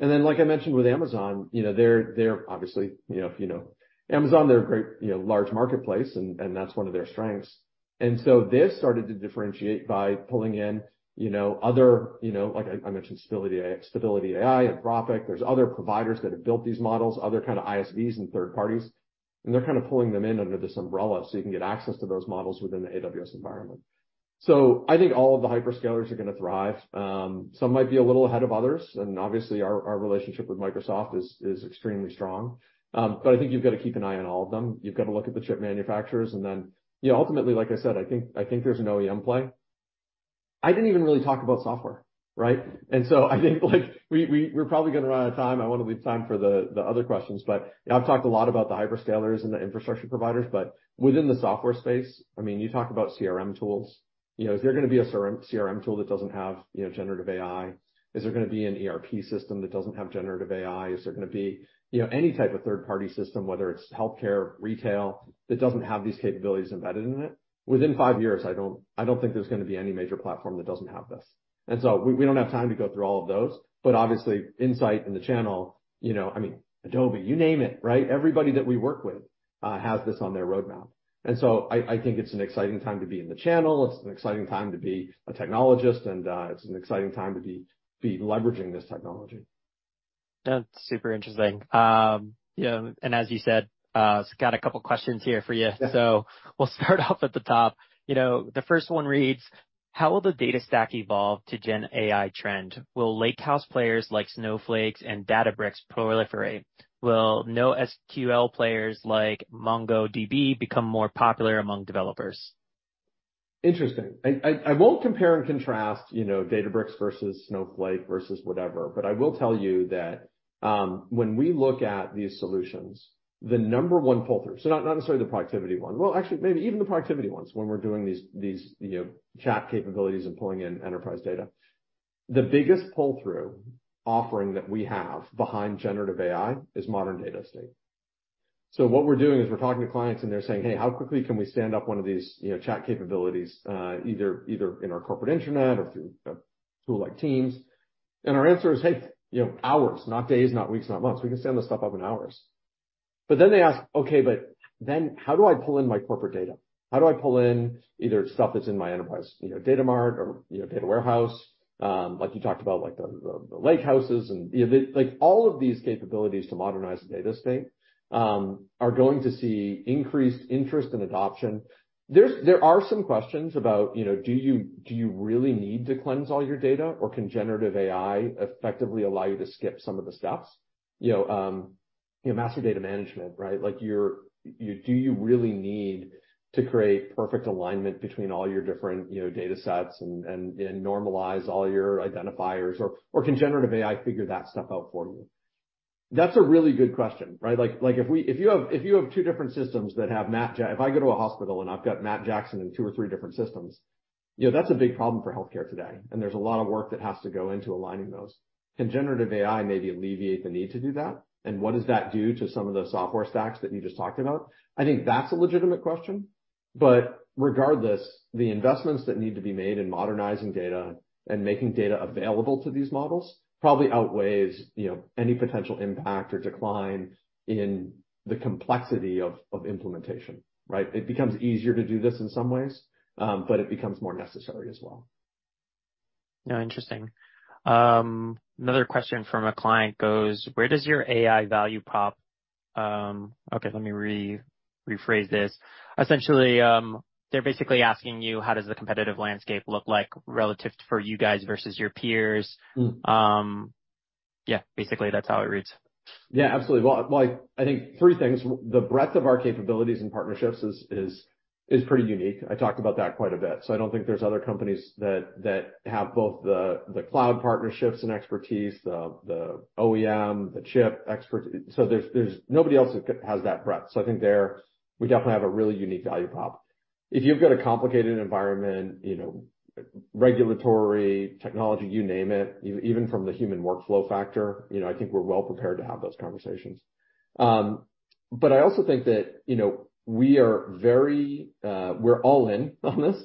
Like I mentioned, with Amazon, you know, they're obviously, you know, if you know Amazon, they're a great, you know, large marketplace, and that's one of their strengths. They've started to differentiate by pulling in, you know, other, you know, like I mentioned Stability AI, Anthropic. There's other providers that have built these models, other kind of ISVs and third parties, and they're kind of pulling them in under this umbrella, so you can get access to those models within the AWS environment. I think all of the hyperscalers are gonna thrive. Some might be a little ahead of others, and obviously, our relationship with Microsoft is extremely strong. I think you've got to keep an eye on all of them. You've got to look at the chip manufacturers, then, you know, ultimately, like I said, I think there's an OEM play. I didn't even really talk about software, right? I think, like, we're probably gonna run out of time. I want to leave time for the other questions, but I've talked a lot about the hyperscalers and the infrastructure providers, but within the software space, I mean, you talk about CRM tools. You know, is there gonna be a CRM tool that doesn't have, you know, generative AI? Is there gonna be an ERP system that doesn't have generative AI? Is there gonna be, you know, any type of third-party system, whether it's healthcare, retail, that doesn't have these capabilities embedded in it? Within five years, I don't think there's gonna be any major platform that doesn't have this. We don't have time to go through all of those, but obviously, Insight in the channel, you know, I mean, Adobe, you name it, right? Everybody that we work with has this on their roadmap. I think it's an exciting time to be in the channel. It's an exciting time to be a technologist, and it's an exciting time to be leveraging this technology. That's super interesting. you know, as you said, got a couple questions here for you. Yeah. We'll start off at the top. You know, the first one reads: How will the data stack evolve to GenAI trend? Will Lakehouse players like Snowflake and Databricks proliferate? Will NoSQL players like MongoDB become more popular among developers? Interesting. I won't compare and contrast, you know, Databricks versus Snowflake versus whatever, but I will tell you that when we look at these solutions, the number one pull-through, so not necessarily the productivity one. Well, actually, maybe even the productivity ones when we're doing these, you know, chat capabilities and pulling in enterprise data. The biggest pull-through offering that we have behind generative AI is modern data estate. What we're doing is we're talking to clients, and they're saying, "Hey, how quickly can we stand up one of these, you know, chat capabilities, either in our corporate intranet or through a tool like Teams?" Our answer is, "Hey, you know, hours, not days, not weeks, not months. We can stand this stuff up in hours." They ask, "Okay, but then how do I pull in my corporate data? How do I pull in either stuff that's in my enterprise, you know, data mart or, you know, data warehouse?" Like you talked about, like the Lakehouse's and, you know, Like, all of these capabilities to modernize the data estate, are going to see increased interest and adoption. There are some questions about, you know, do you, do you really need to cleanse all your data, or can generative AI effectively allow you to skip some of the steps? You know, master data management, right? Like, you really need to create perfect alignment between all your different, you know, data sets and normalize all your identifiers, or can generative AI figure that stuff out for you? That's a really good question, right? Like, if you have two different systems that have Matt Jackson. If I go to a hospital, and I've got Matt Jackson in two or three different systems, you know, that's a big problem for healthcare today, and there's a lot of work that has to go into aligning those. Can generative AI maybe alleviate the need to do that? What does that do to some of the software stacks that you just talked about? I think that's a legitimate question, but regardless, the investments that need to be made in modernizing data and making data available to these models probably outweighs, you know, any potential impact or decline in the complexity of implementation, right? It becomes easier to do this in some ways, but it becomes more necessary as well. Yeah, interesting. Another question from a client goes: Where does your AI value prop. Okay, let me rephrase this. Essentially, they're basically asking you, how does the competitive landscape look like relative for you guys versus your peers? Mm. Yeah, basically, that's how it reads. Yeah, absolutely. Well, I think three things. The breadth of our capabilities and partnerships is pretty unique. I talked about that quite a bit, so I don't think there's other companies that have both the cloud partnerships and expertise, the OEM, the chip expert. Nobody else that has that breadth. I think there, we definitely have a really unique value prop. If you've got a complicated environment, you know, regulatory, technology, you name it, even from the human workflow factor, you know, I think we're well prepared to have those conversations. I also think that, you know, we are very, we're all in on this,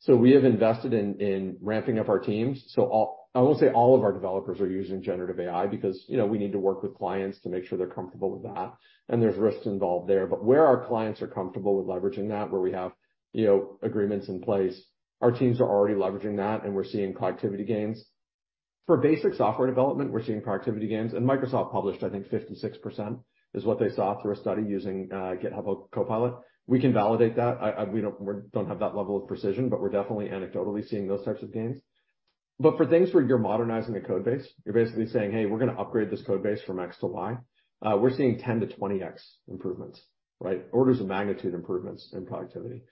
so we have invested in ramping up our teams. I won't say all of our developers are using generative AI because, you know, we need to work with clients to make sure they're comfortable with that, and there's risks involved there. Where our clients are comfortable with leveraging that, where we have, you know, agreements in place, our teams are already leveraging that, and we're seeing productivity gains. For basic software development, we're seeing productivity gains, and Microsoft published, I think 56% is what they saw through a study using GitHub Copilot. We can validate that. I we don't have that level of precision, but we're definitely anecdotally seeing those types of gains. For things where you're modernizing a code base, you're basically saying, "Hey, we're gonna upgrade this code base from X to Y," we're seeing 10-20x improvements, right? Orders of magnitude improvements in productivity.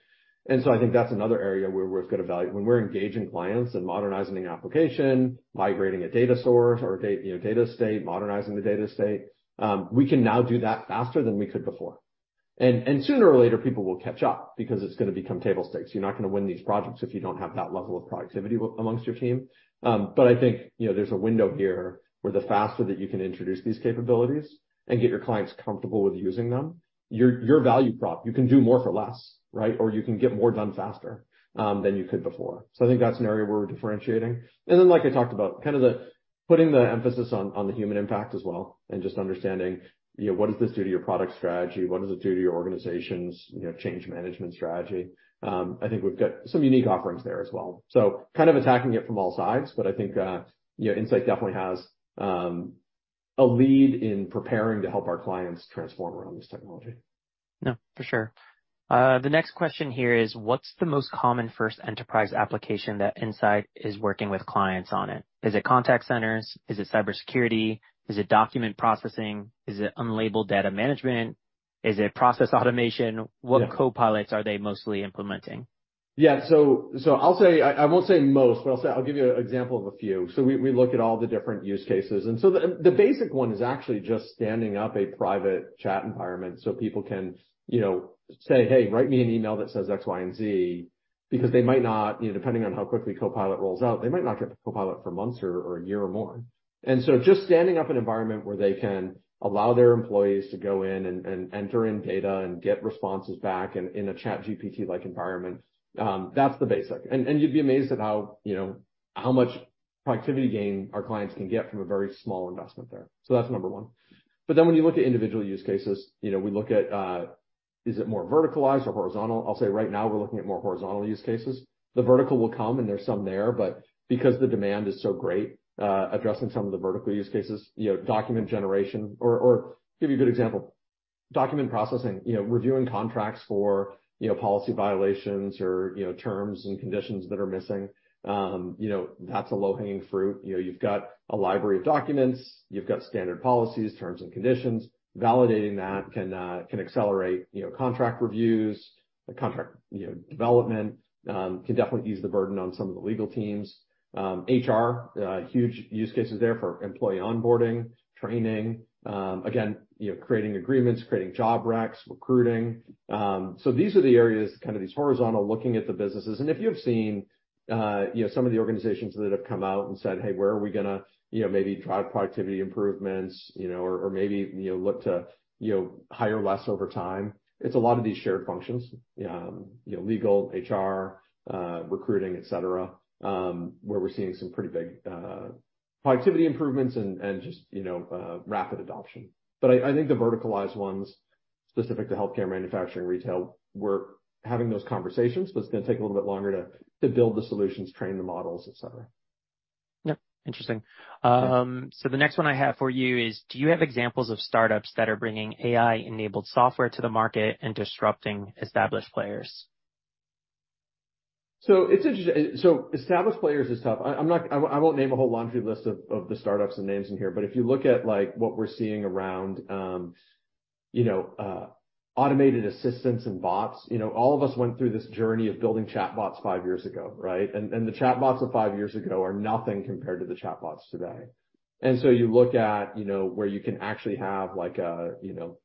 I think that's another area where we've got a value. When we're engaging clients and modernizing an application, migrating a data source or you know, data estate, modernizing the data estate, we can now do that faster than we could before. Sooner or later, people will catch up because it's gonna become table stakes. You're not gonna win these projects if you don't have that level of productivity amongst your team. But I think, you know, there's a window here where the faster that you can introduce these capabilities and get your clients comfortable with using them, your value prop, you can do more for less, right? Or you can get more done faster than you could before. I think that's an area where we're differentiating. Like I talked about, kind of the, putting the emphasis on the human impact as well, and just understanding, you know, what does this do to your product strategy? What does it do to your organization's, you know, change management strategy? I think we've got some unique offerings there as well. Kind of attacking it from all sides, but I think, you know, Insight definitely has a lead in preparing to help our clients transform around this technology. No, for sure. The next question here is: What's the most common first enterprise application that Insight is working with clients on it? Is it contact centers? Is it cybersecurity? Is it document processing? Is it unlabeled data management? Is it process automation? Yeah. What Copilots are they mostly implementing? Yeah. I won't say most, but I'll say. I'll give you an example of a few. We look at all the different use cases, the basic one is actually just standing up a private chat environment so people can, you know, say, "Hey, write me an email that says X, Y, and Z," because they might not, you know, depending on how quickly Copilot rolls out, they might not get to Copilot for months or a year or more. Just standing up an environment where they can allow their employees to go in and enter in data and get responses back in a ChatGPT-like environment, that's the basic. You'd be amazed at how, you know, how much productivity gain our clients can get from a very small investment there. That's number one. When you look at individual use cases, you know, we look at, is it more verticalized or horizontal? I'll say right now, we're looking at more horizontal use cases. The vertical will come, and there's some there, because the demand is so great, addressing some of the vertical use cases, you know, document generation or give you a good example, document processing. You know, reviewing contracts for, you know, policy violations or, you know, terms and conditions that are missing. You know, that's a low-hanging fruit. You know, you've got a library of documents, you've got standard policies, terms and conditions. Validating that can accelerate, you know, contract reviews, contract, you know, development, can definitely ease the burden on some of the legal teams. HR, huge use cases there for employee onboarding, training, again, you know, creating agreements, creating job recs, recruiting. These are the areas, kind of these horizontal, looking at the businesses. If you've seen, you know, some of the organizations that have come out and said, "Hey, where are we gonna, you know, maybe drive productivity improvements, you know, or maybe, you know, look to, you know, hire less over time?" It's a lot of these shared functions, you know, legal, HR, recruiting, et cetera, where we're seeing some pretty big productivity improvements and just, you know, rapid adoption. I think the verticalized ones, specific to healthcare, manufacturing, retail, we're having those conversations, but it's going to take a little bit longer to build the solutions, train the models, et cetera. Yep. Interesting. Yeah. The next one I have for you is: Do you have examples of startups that are bringing AI-enabled software to the market and disrupting established players? It's interesting. Established players is tough. I won't name a whole laundry list of the startups and names in here, but if you look at, like, what we're seeing around, you know, automated assistants and bots, you know, all of us went through this journey of building chatbots five years ago, right? The chatbots of five years ago are nothing compared to the chatbots today. You look at, you know, where you can actually have, like a, you know,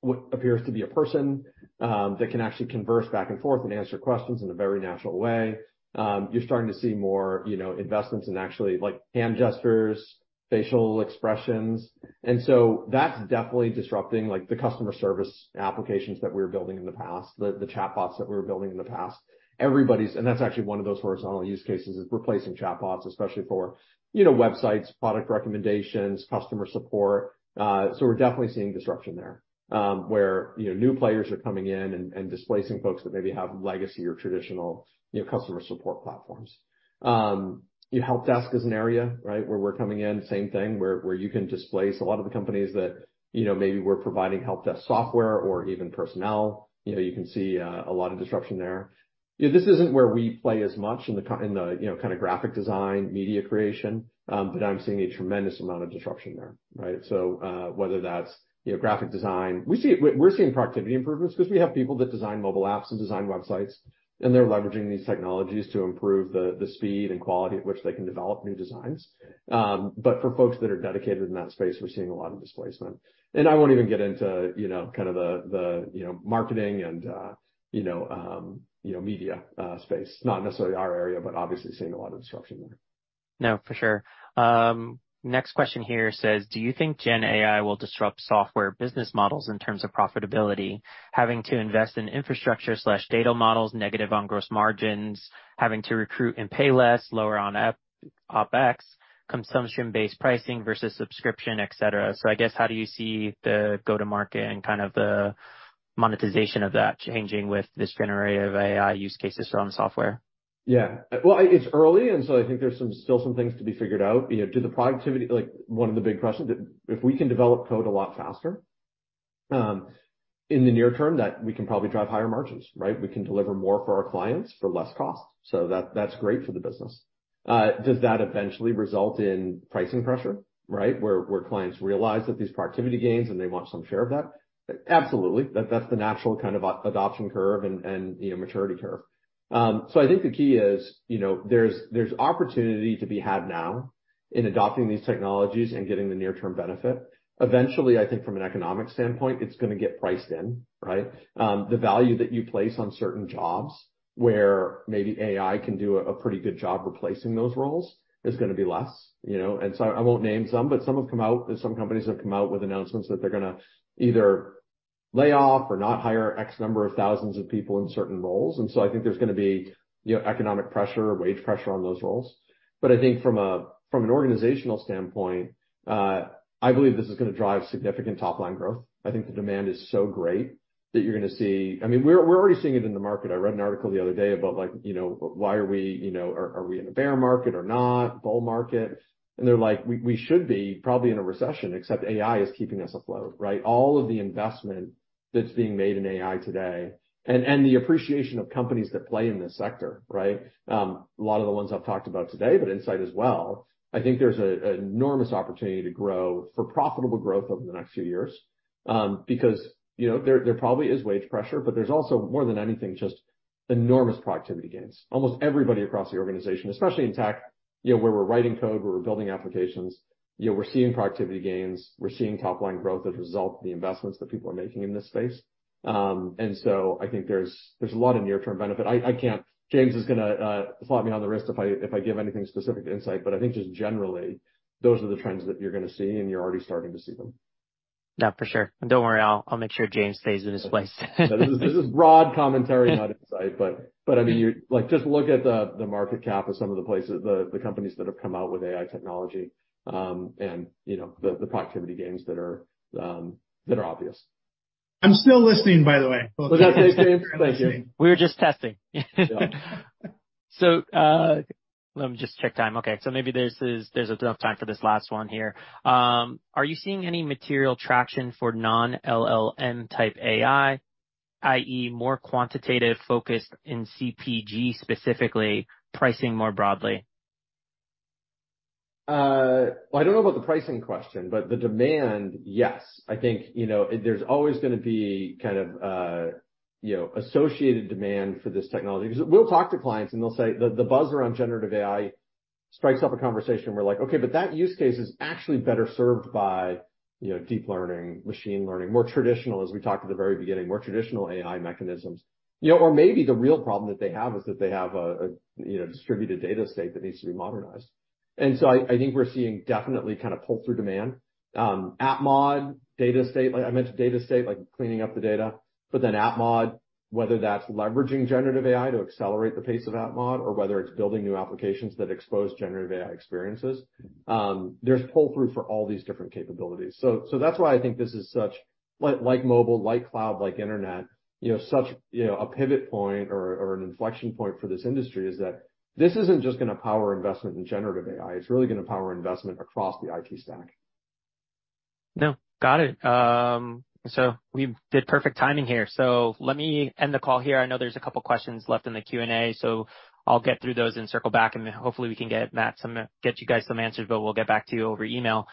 what appears to be a person that can actually converse back and forth and answer questions in a very natural way. You're starting to see more, you know, investments in actually, like, hand gestures, facial expressions. That's definitely disrupting, like, the customer service applications that we were building in the past, the chatbots that we were building in the past. That's actually one of those horizontal use cases, is replacing chatbots, especially for, you know, websites, product recommendations, customer support. We're definitely seeing disruption there, where, you know, new players are coming in and displacing folks that maybe have legacy or traditional, you know, customer support platforms. You know, helpdesk is an area, right, where we're coming in, same thing, where you can displace a lot of the companies that, you know, maybe were providing helpdesk software or even personnel. You know, you can see a lot of disruption there. You know, this isn't where we play as much in the in the, you know, kind of graphic design, media creation, but I'm seeing a tremendous amount of disruption there, right? Whether that's, you know, graphic design. We're seeing productivity improvements because we have people that design mobile apps and design websites, and they're leveraging these technologies to improve the speed and quality at which they can develop new designs. But for folks that are dedicated in that space, we're seeing a lot of displacement. I won't even get into, you know, kind of the, you know, marketing and, you know, you know, media space. Not necessarily our area, but obviously seeing a lot of disruption there. No, for sure. Next question here says: Do you think GenAI will disrupt software business models in terms of profitability, having to invest in infrastructure/data models, negative on gross margins, having to recruit and pay less, lower on OpEx, consumption-based pricing versus subscription, et cetera? I guess, how do you see the go-to-market and kind of the monetization of that changing with this generative AI use cases around software? Yeah. Well, it's early, I think there's some, still some things to be figured out. You know, like, one of the big questions, if we can develop code a lot faster, in the near term, that we can probably drive higher margins, right? We can deliver more for our clients for less cost, that's great for the business. Does that eventually result in pricing pressure, right? Where clients realize that these productivity gains, they want some share of that. Absolutely. That's the natural kind of adoption curve and, you know, maturity curve. I think the key is, you know, there's opportunity to be had now in adopting these technologies and getting the near-term benefit. Eventually, I think from an economic standpoint, it's gonna get priced in, right? The value that you place on certain jobs where maybe AI can do a pretty good job replacing those roles is gonna be less, you know? I won't name some, but some have come out, and some companies have come out with announcements that they're gonna either lay off or not hire X number of 1,000s of people in certain roles. I think there's gonna be, you know, economic pressure or wage pressure on those roles. I think from an organizational standpoint, I believe this is gonna drive significant top-line growth. I think the demand is so great that you're gonna see. I mean, we're already seeing it in the market. I read an article the other day about, like, you know, why are we, you know, are we in a bear market or not, bull market? They're like, "We should be probably in a recession, except AI is keeping us afloat," right? All of the investment that's being made in AI today, and the appreciation of companies that play in this sector, right? A lot of the ones I've talked about today, but Insight as well. I think there's an enormous opportunity to grow for profitable growth over the next few years, because, you know, there probably is wage pressure, but there's also, more than anything, just enormous productivity gains. Almost everybody across the organization, especially in tech, you know, where we're writing code, where we're building applications, you know, we're seeing productivity gains, we're seeing top line growth as a result of the investments that people are making in this space. I think there's a lot of near-term benefit. I can't James is gonna slap me on the wrist if I give anything specific to Insight, but I think just generally, those are the trends that you're gonna see, and you're already starting to see them. Yeah, for sure. Don't worry, I'll make sure James stays in his place. This is broad commentary, not Insight. I mean, like, just look at the market cap of some of the places, the companies that have come out with AI technology, and, you know, the productivity gains that are, that are obvious. I'm still listening, by the way. Was that James? Thank you. We were just testing. Let me just check time. Maybe there's enough time for this last one here. Are you seeing any material traction for non-LLM type AI, i.e., more quantitative focused in CPG, specifically, pricing more broadly? Well, I don't know about the pricing question, but the demand, yes. I think, you know, there's always gonna be kind of, you know, associated demand for this technology. We'll talk to clients, and they'll say the buzz around generative AI strikes up a conversation, and we're like, "Okay, but that use case is actually better served by, you know, deep learning, machine learning, more traditional, as we talked at the very beginning, more traditional AI mechanisms. You know, or maybe the real problem that they have is that they have a, you know, distributed data estate that needs to be modernized. I think we're seeing definitely kind of pull-through demand. app mod, data estate, like I mentioned, data estate, like cleaning up the data, but then app mod, whether that's leveraging generative AI to accelerate the pace of app mod or whether it's building new applications that expose generative AI experiences, there's pull-through for all these different capabilities. That's why I think this is like mobile, like cloud, like internet, you know, such, you know, a pivot point or an inflection point for this industry, is that this isn't just gonna power investment in generative AI, it's really gonna power investment across the IT stack. Got it. We did perfect timing here. Let me end the call here. I know there's a couple questions left in the Q&A, so I'll get through those and circle back, and hopefully we can get Matt some, get you guys some answers, but we'll get back to you over email.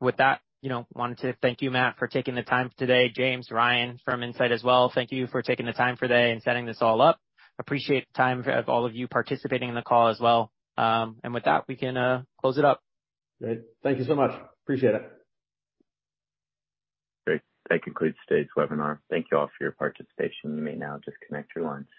With that, you know, wanted to thank you, Matt, for taking the time today. James, Ryan from Insight as well, thank you for taking the time today and setting this all up. Appreciate the time of all of you participating in the call as well. With that, we can close it up. Great. Thank you so much. Appreciate it. Great. That concludes today's webinar. Thank you all for your participation. You may now disconnect your lines.